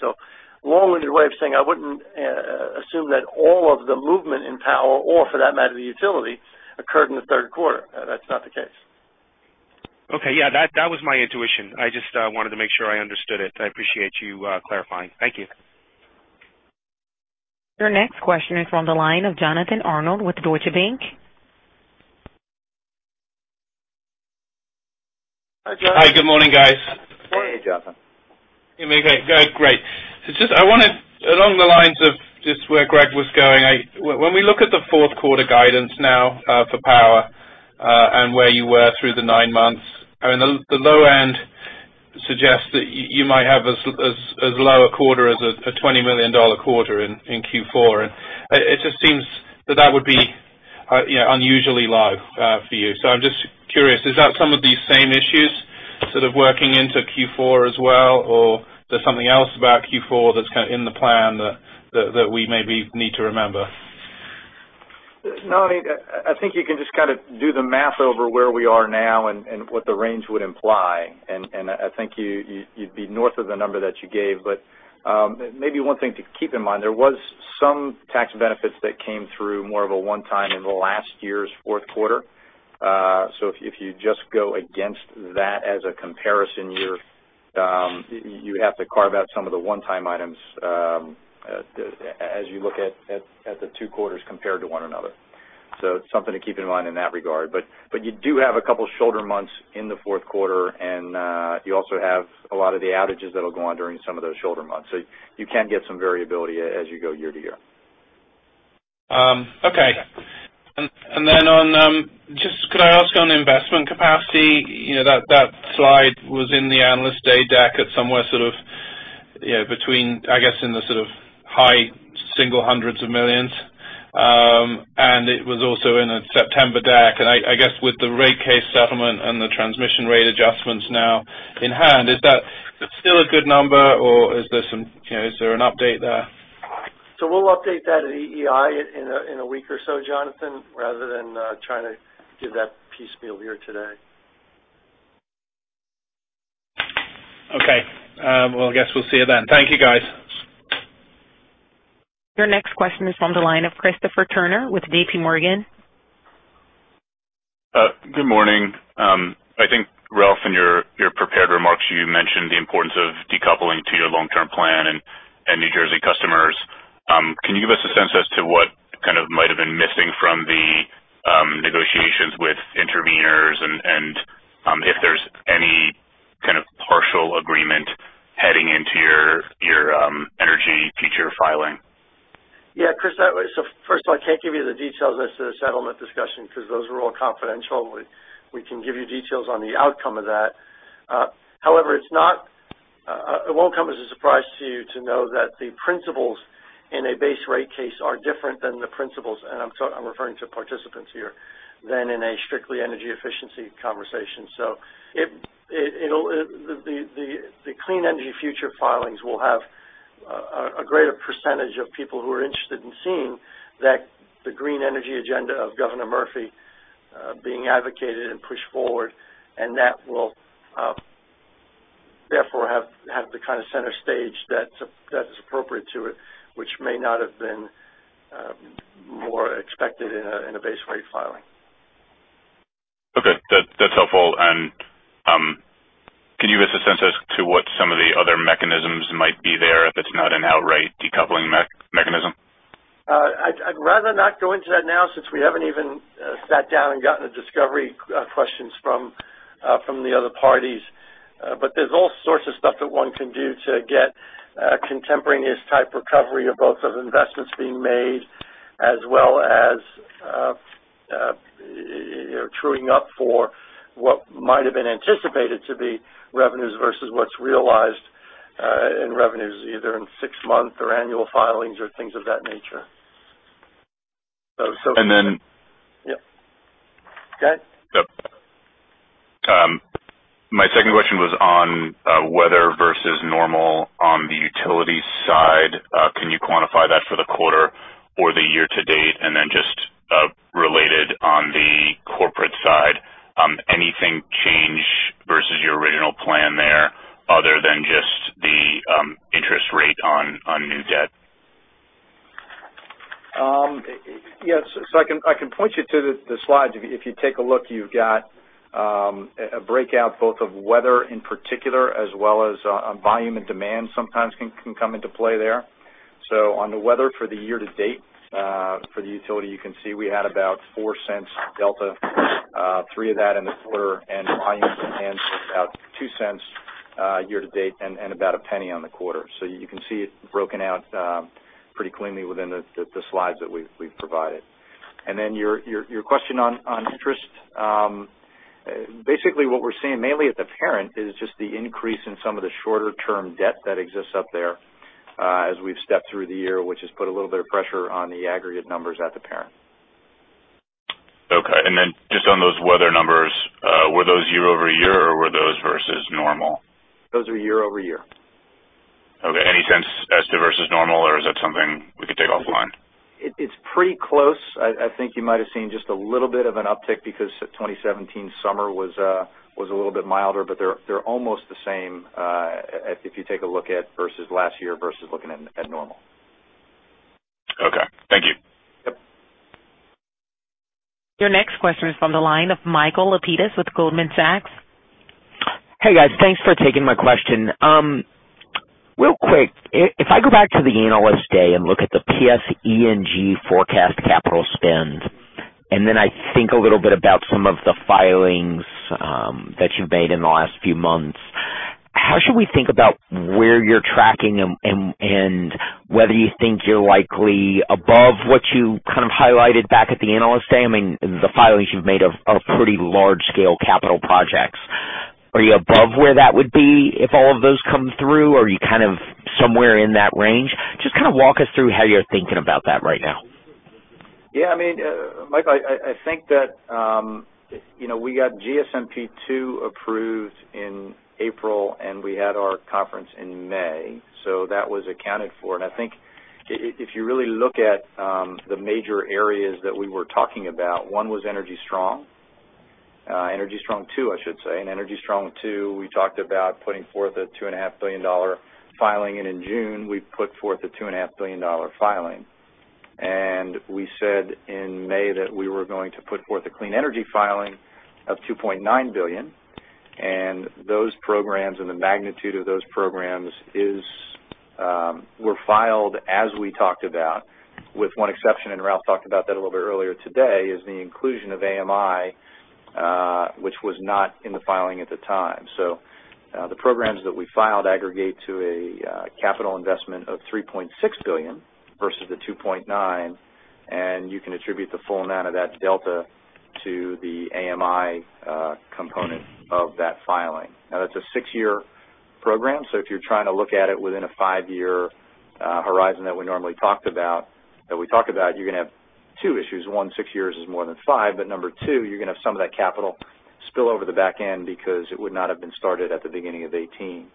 Long-winded way of saying, I wouldn't assume that all of the movement in power, or for that matter, the utility, occurred in the third quarter. That's not the case. Okay. Yeah, that was my intuition. I just wanted to make sure I understood it. I appreciate you clarifying. Thank you. Your next question is from the line of Jonathan Arnold with Deutsche Bank. Hi, Jonathan. Hi, good morning, guys. Morning, Jonathan. You may go. Great. I wanted along the lines of where Greg was going. When we look at the fourth quarter guidance now for power, and where you were through the nine months, I mean, the low end suggests that you might have as low a quarter as a $20 million quarter in Q4. It just seems that would be unusually low for you. I'm just curious, is that some of these same issues sort of working into Q4 as well, or there's something else about Q4 that's kind of in the plan that we maybe need to remember? No, I think you can just kind of do the math over where we are now and what the range would imply, and I think you'd be north of the number that you gave. Maybe one thing to keep in mind, there was some tax benefits that came through more of a one-time in the last year's fourth quarter. If you just go against that as a comparison year, you have to carve out some of the one-time items, as you look at the two quarters compared to one another. It's something to keep in mind in that regard. You do have a couple of shoulder months in the fourth quarter, and you also have a lot of the outages that'll go on during some of those shoulder months. You can get some variability as you go year to year. Okay. Then just could I ask on the investment capacity? That slide was in the Analyst Day deck at somewhere sort of between, I guess, in the sort of high single hundreds of millions. It was also in a September deck. I guess with the rate case settlement and the transmission rate adjustments now in hand, is that still a good number or is there an update there? We'll update that at EEI in a week or so, Jonathan, rather than trying to give that piecemeal here today. I guess we'll see you then. Thank you, guys. Your next question is from the line of Christopher Turner with JPMorgan. Good morning. I think, Ralph, in your prepared remarks, you mentioned the importance of decoupling to your long-term plan and New Jersey customers. Can you give us a sense as to what kind of might have been missing from the negotiations with interveners and if there's any kind of partial agreement heading into your energy future filing? Chris, first of all, I can't give you the details as to the settlement discussion because those are all confidential. We can give you details on the outcome of that. It won't come as a surprise to you to know that the principles in a base rate case are different than the principles, and I'm referring to participants here, than in a strictly energy efficiency conversation. The Clean Energy Future filings will have a greater percentage of people who are interested in seeing that the green energy agenda of Phil Murphy being advocated and pushed forward, and that will therefore have the kind of center stage that is appropriate to it, which may not have been more expected in a base rate filing. Okay. That's helpful. Can you give us a sense as to what some of the other mechanisms might be there if it's not an outright decoupling mechanism? I'd rather not go into that now since we haven't even sat down and gotten the discovery questions from the other parties. There's all sorts of stuff that one can do to get contemporaneous type recovery of both of investments being made as well as truing up for what might have been anticipated to be revenues versus what's realized in revenues, either in six-month or annual filings or things of that nature. And then- Yeah. Go ahead. My second question was on weather versus normal on the utility side. Can you quantify that for the quarter or the year-to-date? Then just related on the corporate side, anything change versus your original plan there other than just the interest rate on new debt? Yes. I can point you to the slide. If you take a look, you've got a breakout both of weather in particular, as well as volume and demand sometimes can come into play there. On the weather for the year-to-date for the utility, you can see we had about $0.04 delta, $0.03 of that in the quarter, and volume and demand was about $0.02 year-to-date and about $0.01 on the quarter. You can see it broken out pretty cleanly within the slides that we've provided. Then your question on interest. Basically, what we're seeing mainly at the parent is just the increase in some of the shorter-term debt that exists up there, as we've stepped through the year, which has put a little bit of pressure on the aggregate numbers at the parent. Okay. Then just on those weather numbers, were those year-over-year or were those versus normal? Those are year-over-year. Okay. Any sense as to versus normal, or is that something we could take offline? It's pretty close. I think you might have seen just a little bit of an uptick because 2017's summer was a little bit milder. They're almost the same, if you take a look at versus last year versus looking at normal. Okay. Thank you. Yep. Your next question is from the line of Michael Lapides with Goldman Sachs. Hey, guys. Thanks for taking my question. Real quick, if I go back to the Analyst Day and look at the PSE&G forecast capital spend, I think a little bit about some of the filings that you've made in the last few months, how should we think about where you're tracking and whether you think you're likely above what you kind of highlighted back at the Analyst Day? I mean, the filings you've made are pretty large-scale capital projects. Are you above where that would be if all of those come through? Are you kind of somewhere in that range? Just kind of walk us through how you're thinking about that right now. Yeah, Michael, I think that we got GSMP2 approved in April, and we had our conference in May, so that was accounted for. I think if you really look at the major areas that we were talking about, one was Energy Strong. Energy Strong II, I should say. In Energy Strong II, we talked about putting forth a $2.5 billion filing, and in June, we put forth a $2.5 billion filing. We said in May that we were going to put forth a Clean Energy filing of $2.9 billion, and those programs and the magnitude of those programs were filed as we talked about, with one exception, Ralph talked about that a little bit earlier today, is the inclusion of AMI, which was not in the filing at the time. The programs that we filed aggregate to a capital investment of $3.6 billion versus the $2.9 billion, and you can attribute the full amount of that delta to the AMI component of that filing. That's a six-year program, so if you're trying to look at it within a five-year horizon that we talk about, you're going to have two issues. One, six years is more than five, number two, you're going to have some of that capital spill over the back end because it would not have been started at the beginning of 2018.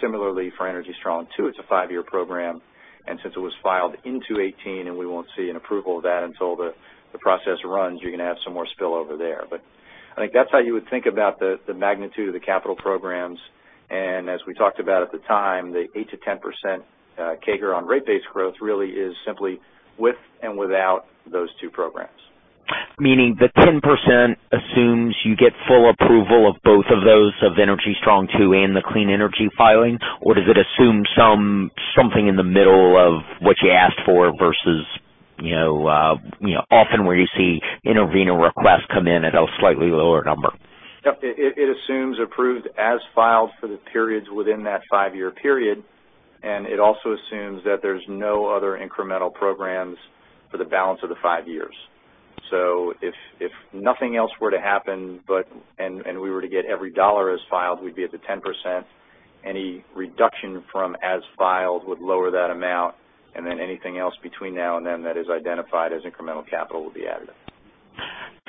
Similarly for Energy Strong II, it's a five-year program, and since it was filed into 2018 and we won't see an approval of that until the process runs, you're going to have some more spill over there. I think that's how you would think about the magnitude of the capital programs. As we talked about at the time, the 8%-10% CAGR on rate base growth really is simply with and without those two programs. Meaning the 10% assumes you get full approval of both of those, of Energy Strong II and the Clean Energy filing? Does it assume something in the middle of what you asked for versus often where you see intervenor requests come in at a slightly lower number? Yep. It assumes approved as filed for the periods within that five-year period, it also assumes that there's no other incremental programs for the balance of the five years. If nothing else were to happen, we were to get every dollar as filed, we'd be at the 10%. Any reduction from as filed would lower that amount, anything else between now and then that is identified as incremental capital would be added.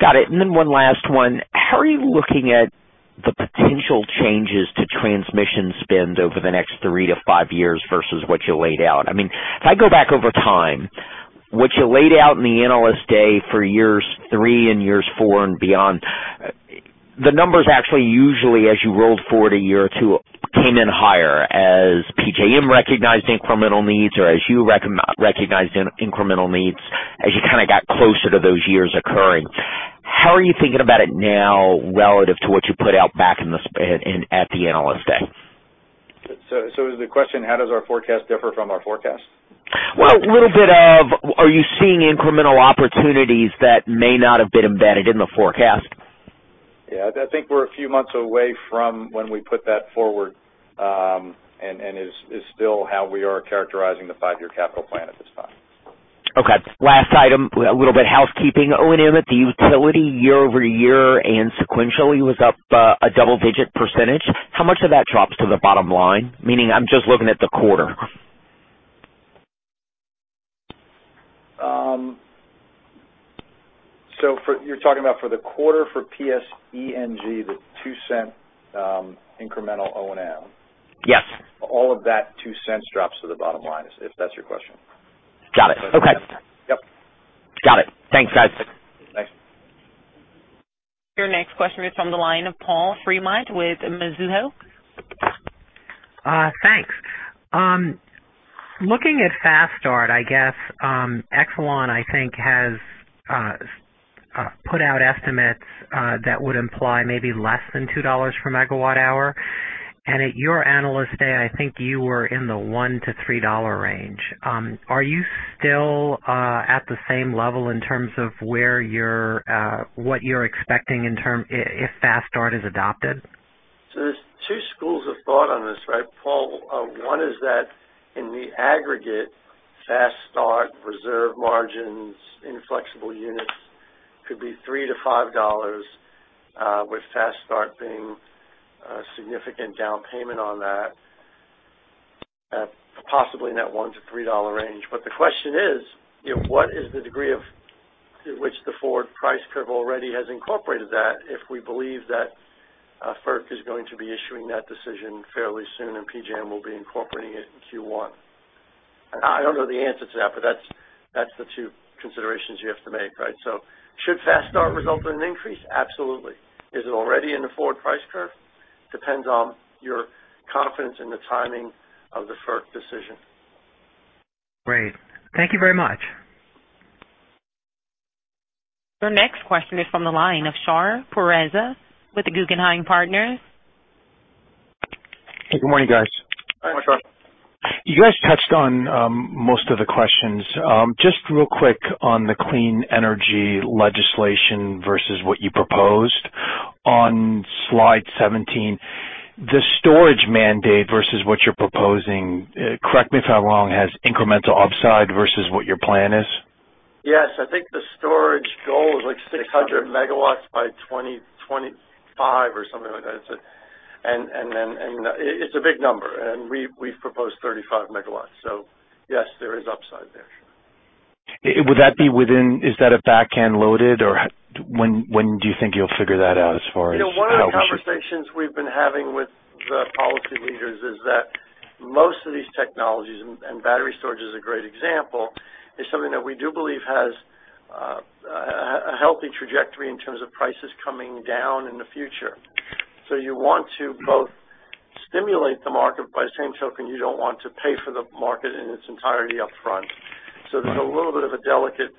Got it. One last one. How are you looking at the potential changes to transmission spend over the next three to five years versus what you laid out? If I go back over time, what you laid out in the Analyst Day for years three and years four and beyond, the numbers actually usually, as you rolled forward a year or two, came in higher as PJM recognized incremental needs or as you recognized incremental needs, as you kind of got closer to those years occurring. How are you thinking about it now relative to what you put out back at the Analyst Day? Is the question, how does our forecast differ from our forecast? A little bit of are you seeing incremental opportunities that may not have been embedded in the forecast? I think we're a few months away from when we put that forward, and it's still how we are characterizing the five-year capital plan at this time. Last item, a little bit of housekeeping. O&M at the utility year-over-year and sequentially was up a double-digit percemtage. How much of that drops to the bottom line? Meaning, I'm just looking at the quarter. You're talking about for the quarter for PSE&G, the $0.02 incremental O&M? Yes. All of that $0.02 drops to the bottom line, if that's your question. Got it. Okay. Yep. Got it. Thanks, guys. Thanks. Your next question is from the line of Paul Fremont with Mizuho. Thanks. Looking at Fast Start, I guess, Exelon, I think, has put out estimates that would imply maybe less than $2 per megawatt hour. At your Analyst Day, I think you were in the $1-$3 range. Are you still at the same level in terms of what you are expecting if Fast Start is adopted? There are two schools of thought on this, right, Paul? One is that in the aggregate, Fast Start reserve margins in flexible units could be $3-$5, with Fast Start being a significant down payment on that. Possibly in that $1-$3 range. The question is: what is the degree of which the forward price curve already has incorporated that, if we believe that FERC is going to be issuing that decision fairly soon and PJM will be incorporating it in Q1? I do not know the answer to that. That is the two considerations you have to make, right? Should Fast Start result in an increase? Absolutely. Is it already in the forward price curve? Depends on your confidence in the timing of the FERC decision. Great. Thank you very much. Your next question is from the line of Shar Pourreza with Guggenheim Partners. Hey, good morning, guys. Morning, Shar. You guys touched on most of the questions. Just real quick on the clean energy legislation versus what you proposed. On slide 17, the storage mandate versus what you're proposing, correct me if I'm wrong, has incremental upside versus what your plan is? Yes, I think the storage goal is like 600 MW by 2025 or something like that. It's a big number. We've proposed 35 MW. Yes, there is upside there. Is that a back-end loaded or when do you think you'll figure that out as far as how much you- One of the conversations we've been having with the policy leaders is that most of these technologies, and battery storage is a great example, is something that we do believe has a healthy trajectory in terms of prices coming down in the future. You want to both stimulate the market. By the same token, you don't want to pay for the market in its entirety up front. There's a little bit of a delicate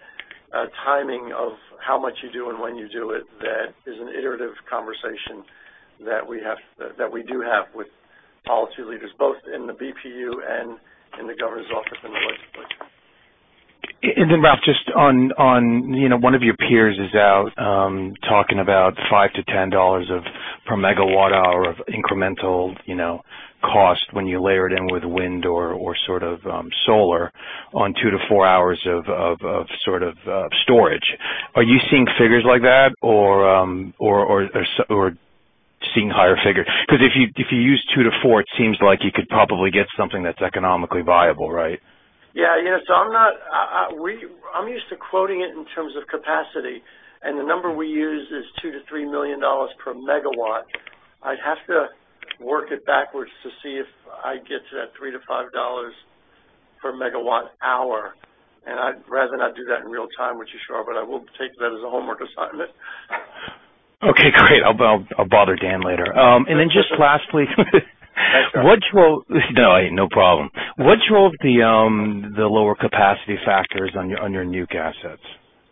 timing of how much you do and when you do it that is an iterative conversation that we do have with policy leaders, both in the BPU and in the governor's office in the legislature. Ralph, one of your peers is out, talking about $5-$10/MWh of incremental cost when you layer it in with wind or sort of solar on two to four hours of storage. Are you seeing figures like that or seeing higher figures? If you use two to four, it seems like you could probably get something that's economically viable, right? Yeah. I'm used to quoting it in terms of capacity, and the number we use is $2-$3/MW. I'd have to work it backwards to see if I get to that $3 to $5/MWh. I'd rather not do that in real-time with you, Shar, but I will take that as a homework assignment. Okay, great. I'll bother Dan later. just lastly. Thanks, Shar. No, hey, no problem. What drove the lower capacity factors on your nuke assets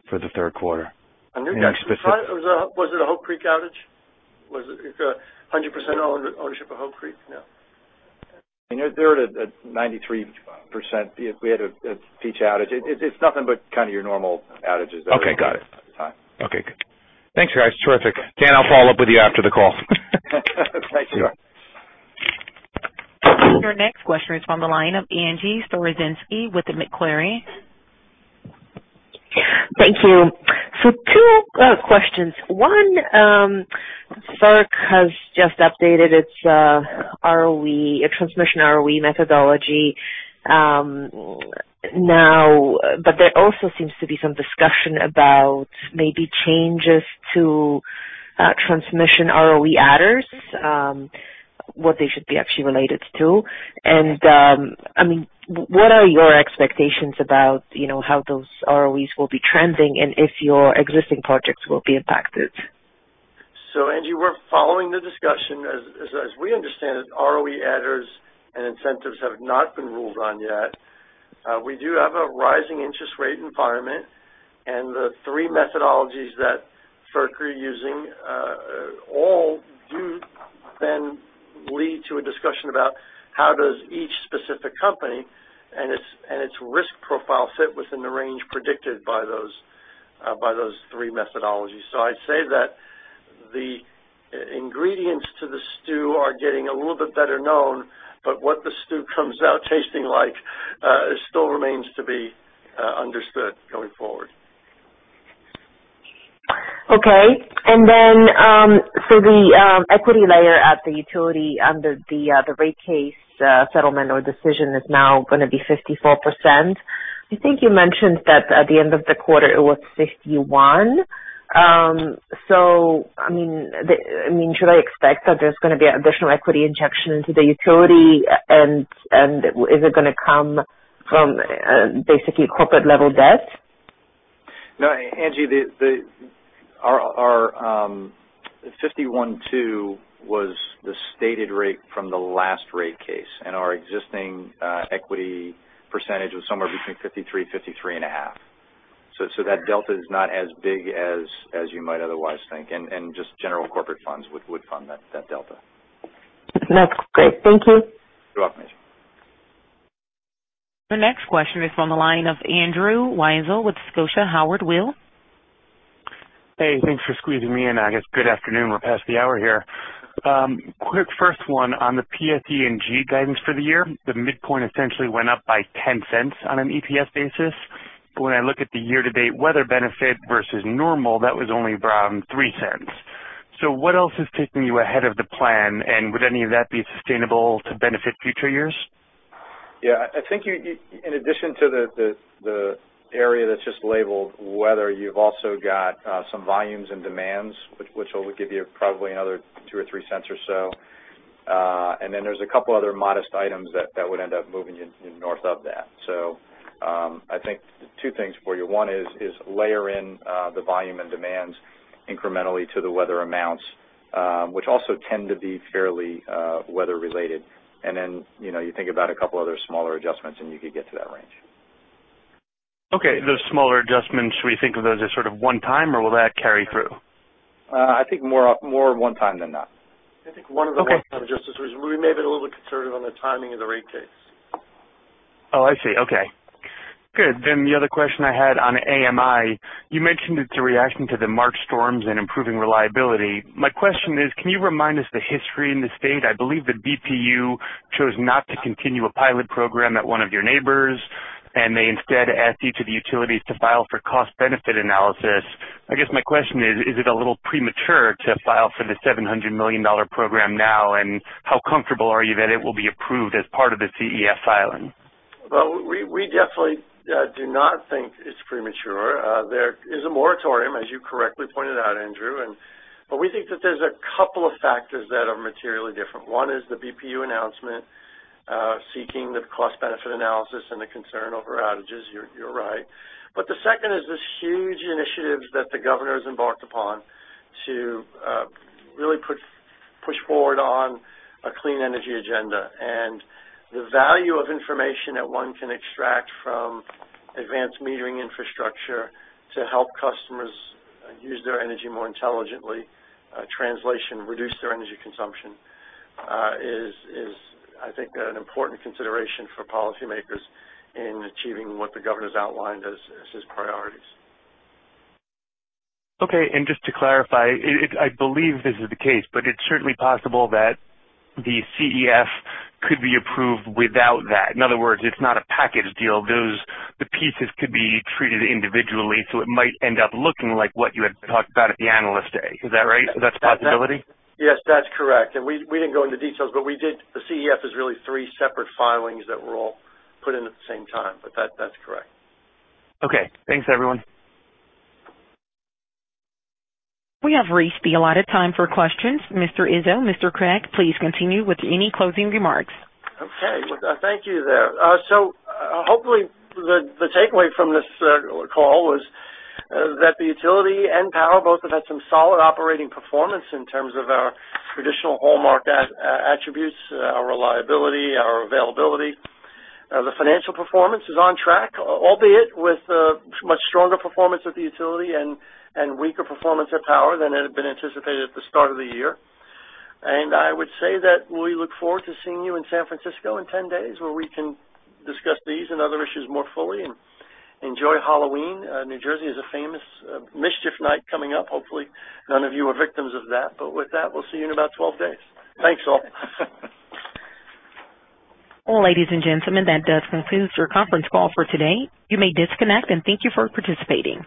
for the third quarter? On nuke assets? Was it a Hope Creek outage? 100% ownership of Hope Creek? No. They're at a 93% if we had a Peach Bottom outage. It's nothing but your normal outages. Okay, got it. at the time. Okay, good. Thanks, guys. Terrific. Dan, I'll follow up with you after the call. Thank you. Your next question is from the line of Angie Storozynski with Macquarie. Thank you. Two questions. One, FERC has just updated its transmission ROE methodology. There also seems to be some discussion about maybe changes to transmission ROE adders, what they should be actually related to. What are your expectations about how those ROEs will be trending and if your existing projects will be impacted? Angie, we're following the discussion. As we understand it, ROE adders and incentives have not been ruled on yet. We do have a rising interest rate environment, and to a discussion about how does each specific company and its risk profile fit within the range predicted by those three methodologies. I'd say that the ingredients to the stew are getting a little bit better known, but what the stew comes out tasting like, still remains to be understood going forward. Okay. The equity layer at the utility under the rate case settlement or decision is now going to be 54%. I think you mentioned that at the end of the quarter, it was 51%. Should I expect that there's going to be additional equity injection into the utility? Is it going to come from basically corporate-level debt? No, Angie, the 51.2% was the stated rate from the last rate case, and our existing equity percentage was somewhere between 53% and 53.5%. That delta is not as big as you might otherwise think. Just general corporate funds would fund that delta. That's great. Thank you. You're welcome, Angie. The next question is from the line of Andrew Weisel with Scotia Howard Weil. Hey, thanks for squeezing me in, I guess. Good afternoon. We're past the hour here. Quick first one on the PSEG guidance for the year. The midpoint essentially went up by $0.10 on an EPS basis. When I look at the year-to-date weather benefit versus normal, that was only around $0.03. What else is taking you ahead of the plan, and would any of that be sustainable to benefit future years? Yeah, I think in addition to the area that's just labeled weather, you've also got some volumes and demands, which will give you probably another $0.02 or $0.03 or so. Then there's a couple other modest items that would end up moving you north of that. I think two things for you. One is layer in the volume and demands incrementally to the weather amounts, which also tend to be fairly weather related. Then, you think about a couple other smaller adjustments, and you could get to that range. Okay, those smaller adjustments, should we think of those as sort of one time, or will that carry through? I think more one time than not. I think one of the main adjustments was we may have been a little bit conservative on the timing of the rate case. Oh, I see. Okay. Good. The other question I had on AMI, you mentioned it's a reaction to the March storms and improving reliability. My question is: can you remind us the history in the state? I believe the BPU chose not to continue a pilot program at one of your neighbors, and they instead asked each of the utilities to file for cost-benefit analysis. I guess my question is: is it a little premature to file for the $700 million program now, and how comfortable are you that it will be approved as part of the CEF filing? Well, we definitely do not think it's premature. There is a moratorium, as you correctly pointed out, Andrew, we think that there's a couple of factors that are materially different. One is the BPU announcement, seeking the cost-benefit analysis and the concern over outages, you're right. The second is this huge initiative that the governor's embarked upon to really push forward on a clean energy agenda. The value of information that one can extract from advanced metering infrastructure to help customers use their energy more intelligently, translation, reduce their energy consumption, is I think an important consideration for policymakers in achieving what the governor's outlined as his priorities. Okay, just to clarify, I believe this is the case, it's certainly possible that the CEF could be approved without that. In other words, it's not a package deal. The pieces could be treated individually, it might end up looking like what you had talked about at the Analyst Day. Is that right? That's a possibility? Yes, that's correct. We didn't go into details. The CEF is really three separate filings that were all put in at the same time. That's correct. Okay. Thanks, everyone. We have reached the allotted time for questions. Mr. Izzo, Mr. Cregg, please continue with any closing remarks. Okay. Thank you there. Hopefully, the takeaway from this call was that the utility and Power both have had some solid operating performance in terms of our traditional hallmark attributes, our reliability, our availability. The financial performance is on track, albeit with much stronger performance at the utility and weaker performance at Power than had been anticipated at the start of the year. I would say that we look forward to seeing you in San Francisco in 10 days, where we can discuss these and other issues more fully and enjoy Halloween. New Jersey has a famous Mischief Night coming up. Hopefully, none of you are victims of that. With that, we'll see you in about 12 days. Thanks all. Ladies and gentlemen, that does conclude your conference call for today. You may disconnect, and thank you for participating.